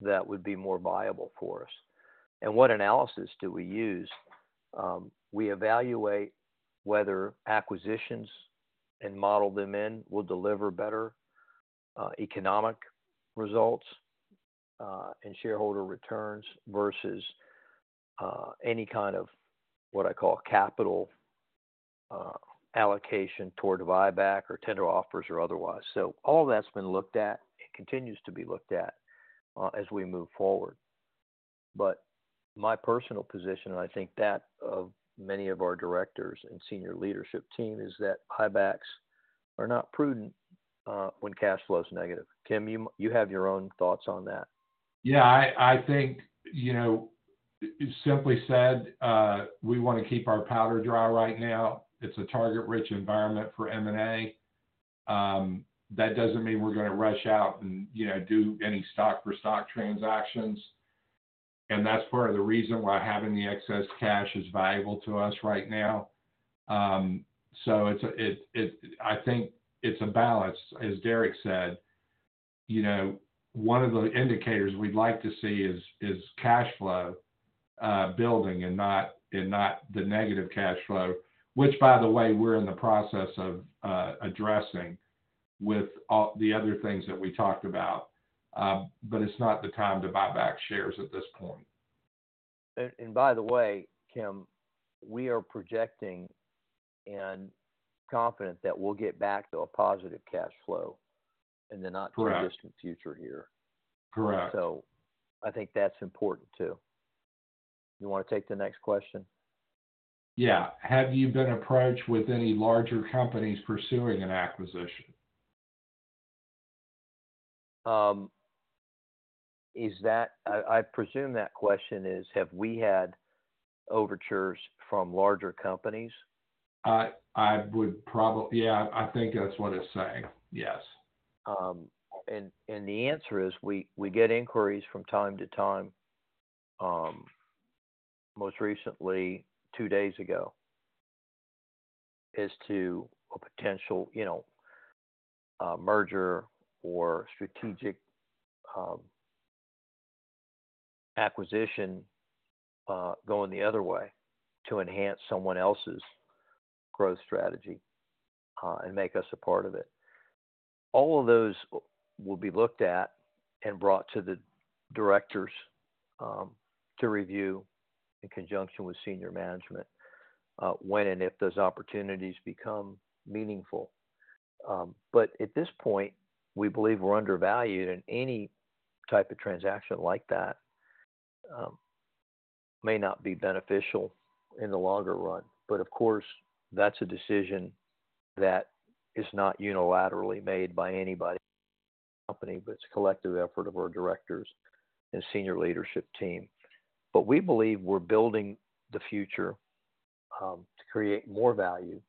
that would be more viable for us. And what analysis do we use? We evaluate whether acquisitions and model them in will deliver better economic results and shareholder returns versus any kind of what I call capital allocation toward a buyback or tender offers or otherwise. So all of that's been looked at and continues to be looked at as we move forward. My personal position, and I think that of many of our directors and senior leadership team, is that buybacks are not prudent, when cash flow is negative. Kim, you, you have your own thoughts on that? Yeah, I think, you know, simply said, we want to keep our powder dry right now. It's a target-rich environment for M&A. That doesn't mean we're gonna rush out and, you know, do any stock-for-stock transactions, and that's part of the reason why having the excess cash is valuable to us right now. So it's a... I think it's a balance, as Derek said, you know, one of the indicators we'd like to see is cash flow building and not the negative cash flow, which by the way, we're in the process of addressing with all the other things that we talked about. But it's not the time to buy back shares at this point. And by the way, Kim, we are projecting and confident that we'll get back to a positive cash flow in the not- Correct... too distant future here. Correct. So I think that's important, too. You want to take the next question? Yeah. Have you been approached with any larger companies pursuing an acquisition? Is that—I presume that question is, have we had overtures from larger companies? I would probably... Yeah, I think that's what it's saying. Yes. And the answer is, we get inquiries from time to time, most recently two days ago, as to a potential, you know, merger or strategic acquisition, going the other way to enhance someone else's growth strategy, and make us a part of it. All of those will be looked at and brought to the directors, to review in conjunction with senior management, when and if those opportunities become meaningful. But at this point, we believe we're undervalued, and any type of transaction like that may not be beneficial in the longer run. But of course, that's a decision that is not unilaterally made by anybody in the company, but it's a collective effort of our directors and senior leadership team. But we believe we're building the future, to create more value.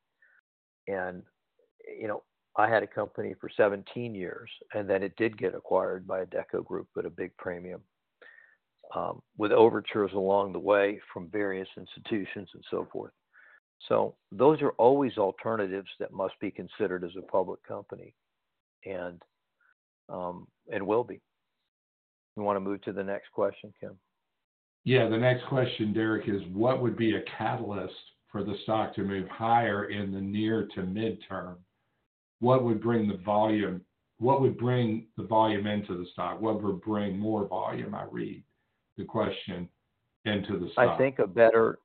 And, you know, I had a company for 17 years, and then it did get acquired by Adecco Group, at a big premium, with overtures along the way from various institutions and so forth. So those are always alternatives that must be considered as a public company and, and will be.... You want to move to the next question, Kim? Yeah, the next question, Derek, is: What would be a catalyst for the stock to move higher in the near to midterm? What would bring the volume-- What would bring the volume into the stock? What would bring more volume, I read the question, into the stock? I think a better,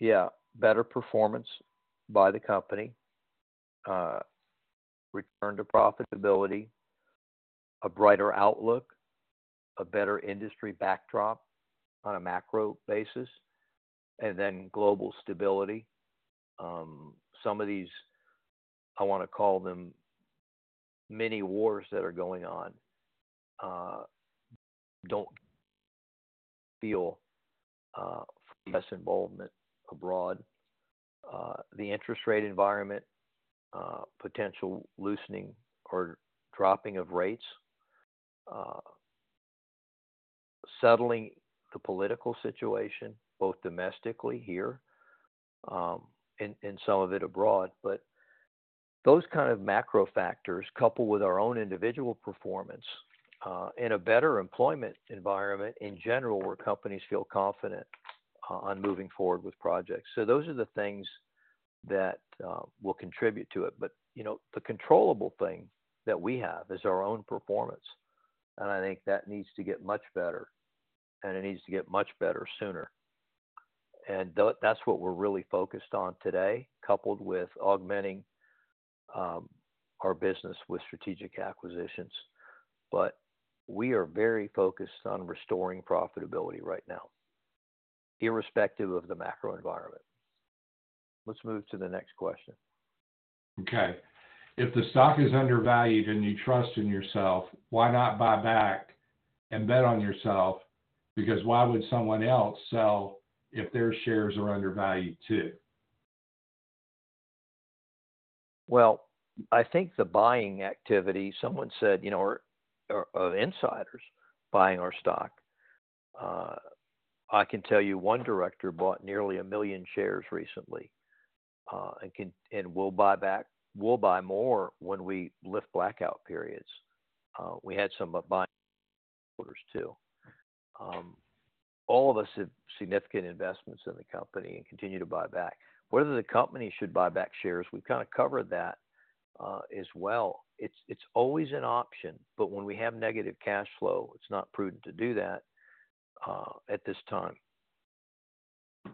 yeah, better performance by the company, return to profitability, a brighter outlook, a better industry backdrop on a macro basis, and then global stability. Some of these, I wanna call them, mini wars that are going on, don't feel less involvement abroad. The interest rate environment, potential loosening or dropping of rates, settling the political situation, both domestically here, and some of it abroad. But those kind of macro factors, coupled with our own individual performance, in a better employment environment in general, where companies feel confident on moving forward with projects. So those are the things that will contribute to it. But, you know, the controllable thing that we have is our own performance, and I think that needs to get much better, and it needs to get much better sooner. And that's what we're really focused on today, coupled with augmenting our business with strategic acquisitions. But we are very focused on restoring profitability right now, irrespective of the macro environment. Let's move to the next question. Okay. If the stock is undervalued and you trust in yourself, why not buy back and bet on yourself? Because why would someone else sell if their shares are undervalued, too? Well, I think the buying activity, someone said, you know, insiders buying our stock. I can tell you one director bought nearly 1 million shares recently, and will buy back. We'll buy more when we lift blackout periods. We had some buying orders, too. All of us have significant investments in the company and continue to buy back. Whether the company should buy back shares, we've kind of covered that, as well. It's always an option, but when we have negative cash flow, it's not prudent to do that, at this time.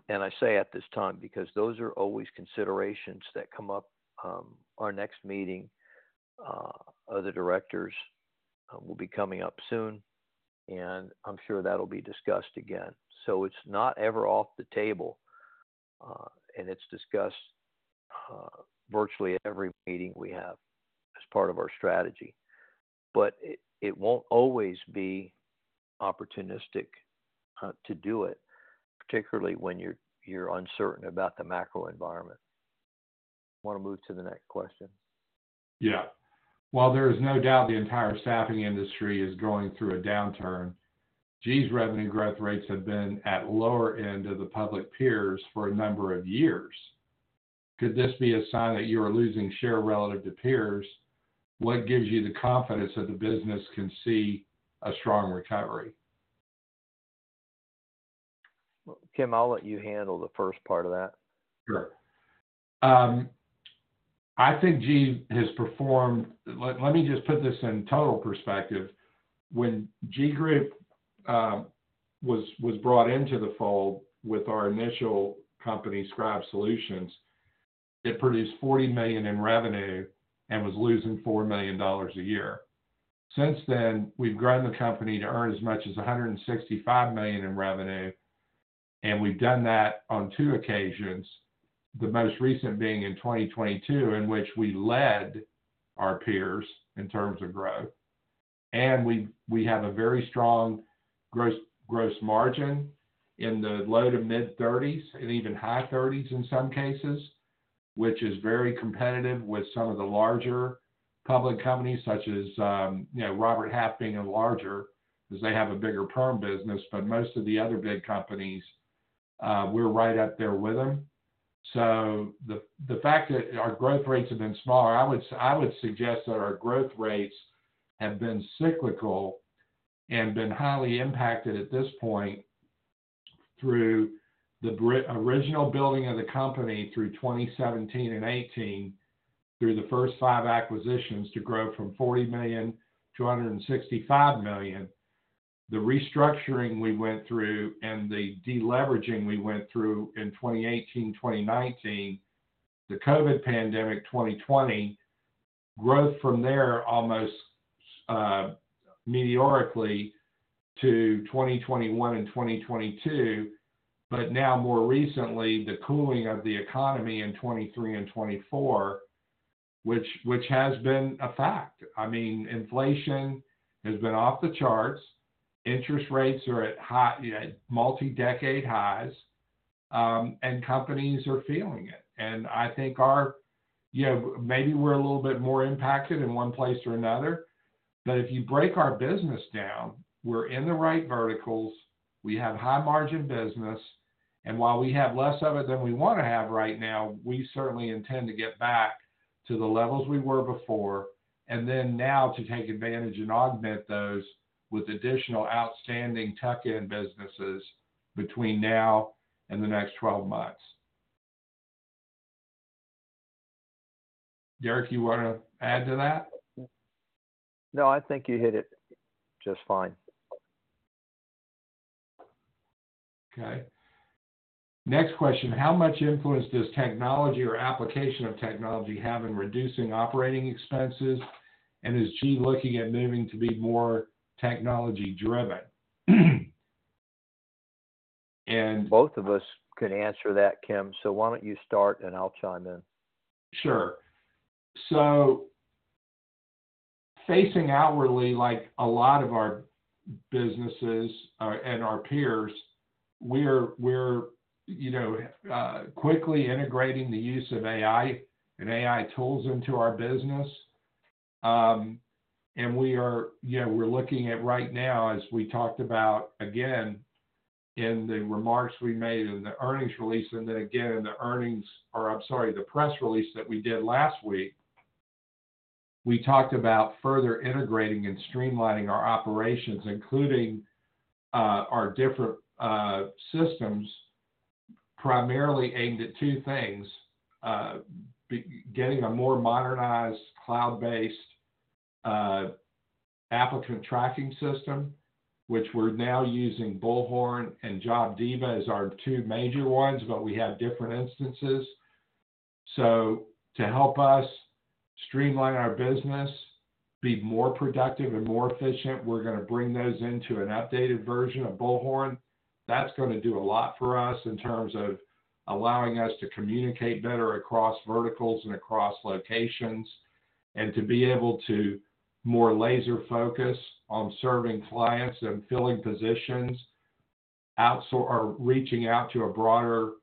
I say at this time, because those are always considerations that come up, our next meeting of the directors will be coming up soon, and I'm sure that'll be discussed again. So it's not ever off the table, and it's discussed virtually at every meeting we have as part of our strategy. But it, it won't always be opportunistic, to do it, particularly when you're, you're uncertain about the macro environment. Want to move to the next question? Yeah. While there is no doubt the entire staffing industry is going through a downturn, GEE's revenue growth rates have been at lower end of the public peers for a number of years. Could this be a sign that you are losing share relative to peers? What gives you the confidence that the business can see a strong recovery? Kim, I'll let you handle the first part of that. Sure. I think GEE has performed... Let me just put this in total perspective. When GEE Group was brought into the fold with our initial company, Scribe Solutions, it produced $40 million in revenue and was losing $4 million a year. Since then, we've grown the company to earn as much as $165 million in revenue, and we've done that on two occasions, the most recent being in 2022, in which we led our peers in terms of growth. We have a very strong gross margin in the low- to mid-30s, and even high 30s in some cases, which is very competitive with some of the larger public companies such as, you know, Robert Half being a larger, because they have a bigger perm business, but most of the other big companies, we're right up there with them. So the fact that our growth rates have been smaller, I would suggest that our growth rates have been cyclical and been highly impacted at this point through the original building of the company through 2017 and 2018, through the first five acquisitions, to grow from $40 million to $165 million. The restructuring we went through and the deleveraging we went through in 2018, 2019, the COVID pandemic, 2020, growth from there almost meteorically to 2021 and 2022. But now, more recently, the cooling of the economy in 2023 and 2024, which has been a fact. I mean, inflation has been off the charts, interest rates are at high multi-decade highs, and companies are feeling it. And I think our... You know, maybe we're a little bit more impacted in one place or another, but if you break our business down, we're in the right verticals, we have high-margin business, and while we have less of it than we want to have right now, we certainly intend to get back to the levels we were before, and then now to take advantage and augment those with additional outstanding tuck-in businesses between now and the next 12 months. Derek, you want to add to that? No, I think you hit it just fine. Okay. Next question: How much influence does technology or application of technology have in reducing operating expenses? And is GEE looking at moving to be more technology-driven? And- Both of us can answer that, Kim, so why don't you start and I'll chime in. Sure. So facing outwardly, like a lot of our businesses, and our peers, we're you know quickly integrating the use of AI and AI tools into our business. And we are. Yeah, we're looking at right now, as we talked about, again, in the remarks we made in the earnings release, and then again in the earnings, or I'm sorry, the press release that we did last week. We talked about further integrating and streamlining our operations, including our different systems, primarily aimed at two things, getting a more modernized, cloud-based applicant tracking system, which we're now using Bullhorn and JobDiva as our two major ones, but we have different instances. So to help us streamline our business, be more productive and more efficient, we're gonna bring those into an updated version of Bullhorn. That's gonna do a lot for us in terms of allowing us to communicate better across verticals and across locations, and to be able to more laser focus on serving clients and filling positions, or reaching out to a broader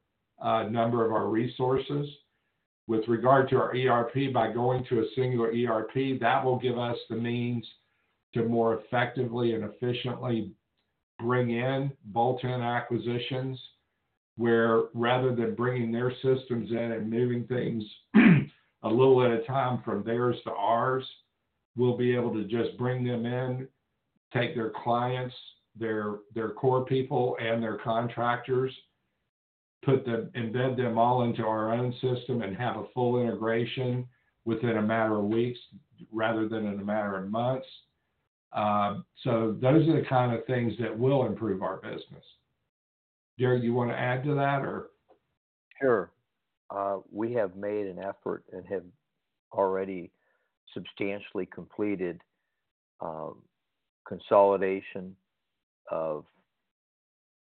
number of our resources. With regard to our ERP, by going to a single ERP, that will give us the means to more effectively and efficiently bring in bolt-on acquisitions, where rather than bringing their systems in and moving things a little at a time from theirs to ours, we'll be able to just bring them in, take their clients, their, their core people, and their contractors, embed them all into our own system, and have a full integration within a matter of weeks rather than in a matter of months. So those are the kind of things that will improve our business. Derek, you want to add to that, or? Sure. We have made an effort and have already substantially completed consolidation of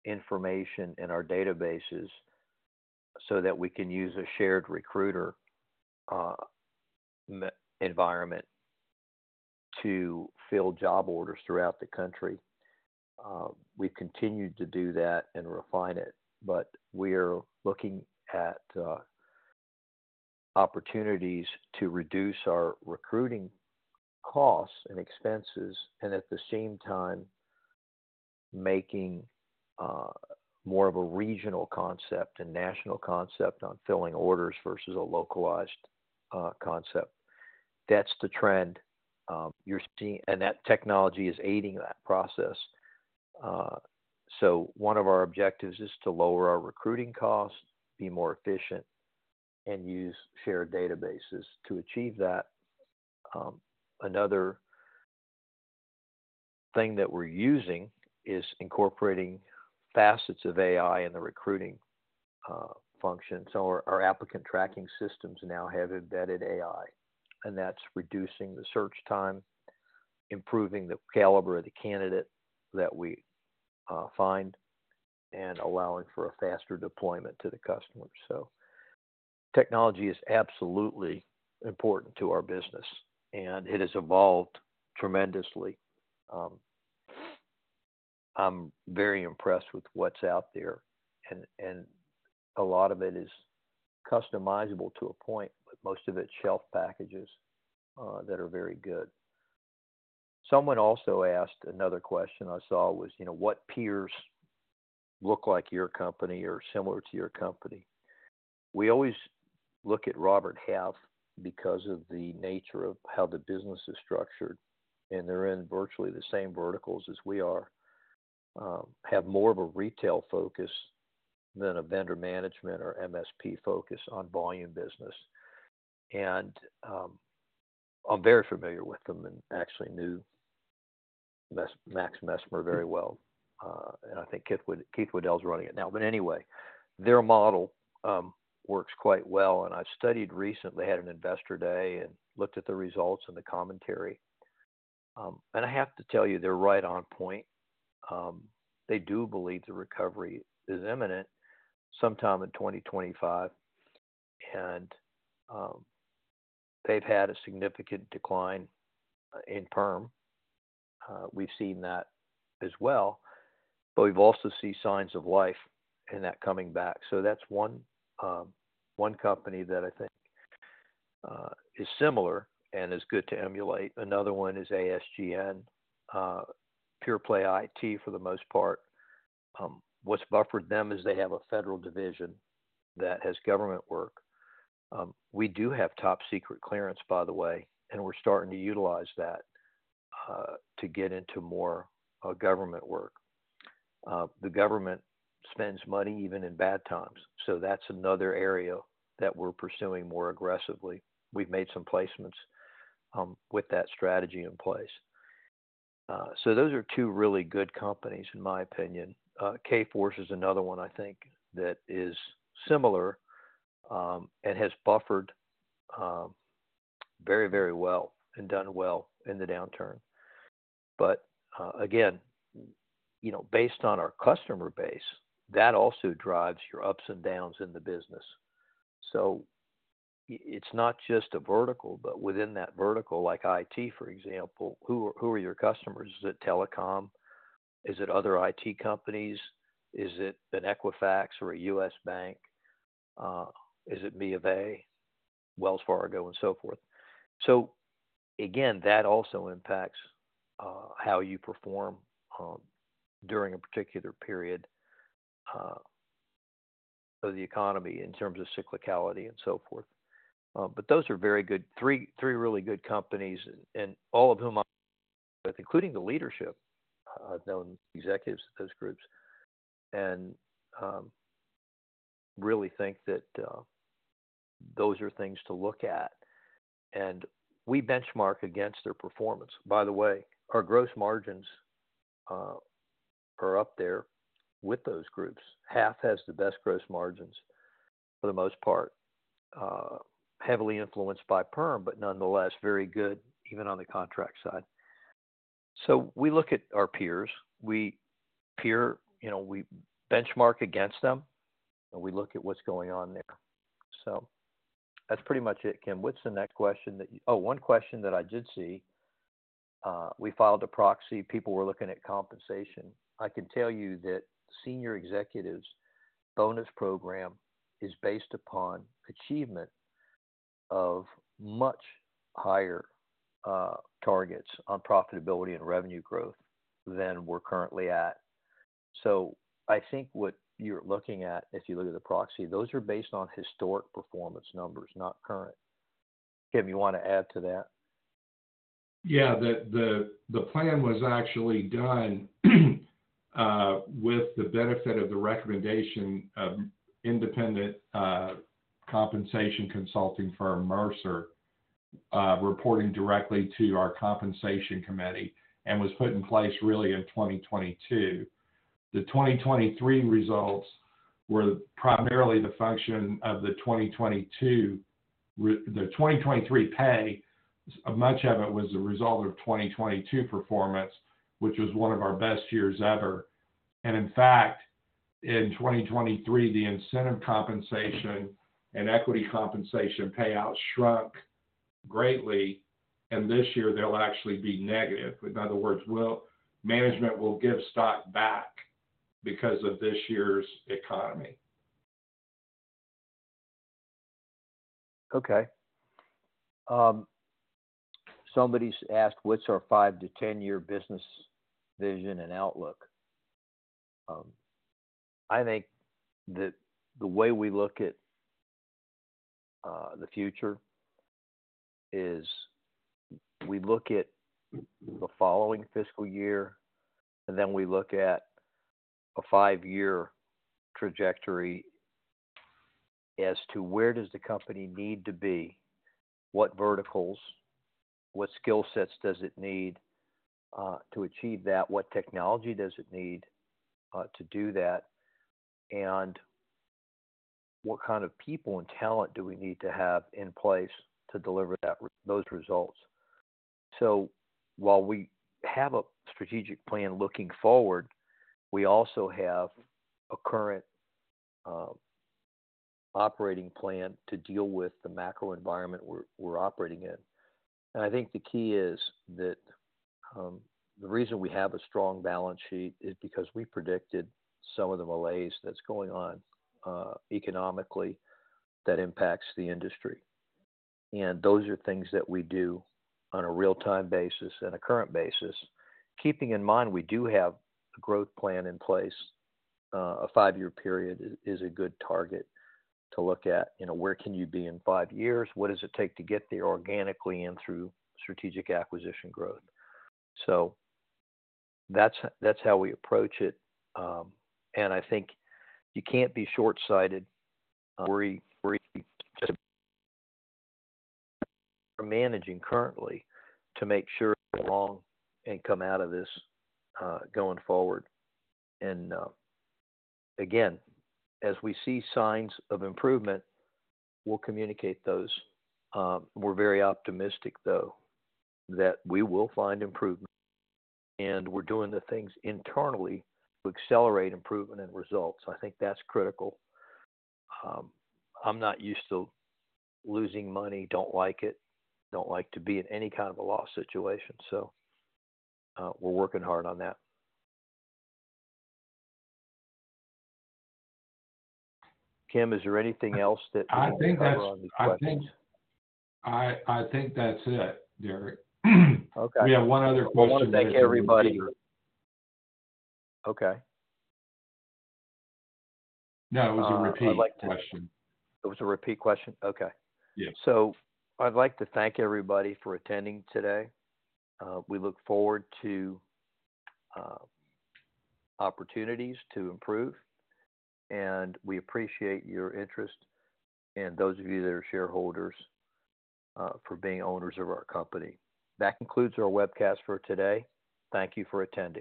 information in our databases so that we can use a shared recruiter environment to fill job orders throughout the country. We've continued to do that and refine it, but we are looking at opportunities to reduce our recruiting costs and expenses, and at the same time, making more of a regional concept and national concept on filling orders versus a localized concept. That's the trend you're seeing, and that technology is aiding that process. So one of our objectives is to lower our recruiting costs, be more efficient, and use shared databases. To achieve that, another thing that we're using is incorporating facets of AI in the recruiting function. So our, our applicant tracking systems now have embedded AI, and that's reducing the search time, improving the caliber of the candidate that we, find, and allowing for a faster deployment to the customer. So technology is absolutely important to our business, and it has evolved tremendously. I'm very impressed with what's out there, and, and a lot of it is customizable to a point, but most of it's shelf packages, that are very good. Someone also asked another question I saw was, you know, "What peers look like your company or similar to your company?" We always look at Robert Half because of the nature of how the business is structured, and they're in virtually the same verticals as we are. have more of a retail focus than a vendor management or MSP focus on volume business. I'm very familiar with them and actually knew Max Messmer very well, and I think Keith Waddell is running it now. But anyway, their model works quite well, and I've studied recently, had an investor day and looked at the results and the commentary. I have to tell you, they're right on point. They do believe the recovery is imminent sometime in 2025, and they've had a significant decline in perm. We've seen that as well, but we've also seen signs of life in that coming back. So that's one, one company that I think is similar and is good to emulate. Another one is ASGN, pure-play IT for the most part. What's buffered them is they have a federal division that has government work. We do have top secret clearance, by the way, and we're starting to utilize that to get into more government work. The government spends money even in bad times, so that's another area that we're pursuing more aggressively. We've made some placements with that strategy in place. So those are two really good companies, in my opinion. Kforce is another one, I think, that is similar and has buffered very, very well and done well in the downturn. But again, you know, based on our customer base, that also drives your ups and downs in the business. So it's not just a vertical, but within that vertical, like IT, for example, who are your customers? Is it telecom? Is it other IT companies? Is it an Equifax or a U.S. Bank? Is it B of A, Wells Fargo, and so forth. So again, that also impacts how you perform during a particular period of the economy in terms of cyclicality and so forth. But those are very good, three, three really good companies and, and all of whom, including the leadership, I've known executives of those groups, and really think that those are things to look at. And we benchmark against their performance. By the way, our gross margins are up there with those groups. Half has the best gross margins for the most part, heavily influenced by Perm, but nonetheless, very good even on the contract side. So we look at our peers. We peer—you know, we benchmark against them, and we look at what's going on there. So that's pretty much it, Kim. What's the next question that you. Oh, one question that I did see, we filed a proxy. People were looking at compensation. I can tell you that senior executives' bonus program is based upon achievement of much higher targets on profitability and revenue growth than we're currently at. So I think what you're looking at, if you look at the proxy, those are based on historic performance numbers, not current. Kim, you want to add to that? Yeah. The plan was actually done with the benefit of the recommendation of independent compensation consulting firm Mercer, reporting directly to our compensation committee, and was put in place really in 2022. The 2023 results were primarily the function of the 2022. The 2023 pay, much of it was a result of 2022 performance, which was one of our best years ever. And in fact, in 2023, the incentive compensation and equity compensation payout shrunk greatly, and this year they'll actually be negative. In other words, we'll, management will give stock back because of this year's economy. Okay. Somebody's asked: What's our 5- to 10-year business vision and outlook? I think that the way we look at the future is we look at the following fiscal year, and then we look at a 5-year trajectory as to where does the company need to be, what verticals, what skill sets does it need to achieve that? What technology does it need to do that? And what kind of people and talent do we need to have in place to deliver that, those results? So while we have a strategic plan looking forward, we also have a current operating plan to deal with the macro environment we're operating in. And I think the key is that the reason we have a strong balance sheet is because we predicted some of the malaise that's going on economically, that impacts the industry. Those are things that we do on a real-time basis and a current basis. Keeping in mind, we do have a growth plan in place. A five-year period is a good target to look at. You know, where can you be in five years? What does it take to get there organically and through strategic acquisition growth? So that's how we approach it. And I think you can't be short-sighted, worry just... We're managing currently to make sure we're along and come out of this, going forward. And, again, as we see signs of improvement, we'll communicate those. We're very optimistic, though, that we will find improvement, and we're doing the things internally to accelerate improvement and results. I think that's critical. I'm not used to losing money. Don't like it. Don't like to be in any kind of a loss situation, so, we're working hard on that. Kim, is there anything else that- I think that's- I want to this question? I think that's it, Derek. Okay. We have one other question. I want to thank everybody. Okay. No, it was a repeat question. It was a repeat question? Okay. Yeah. I'd like to thank everybody for attending today. We look forward to opportunities to improve, and we appreciate your interest and those of you that are shareholders for being owners of our company. That concludes our webcast for today. Thank you for attending.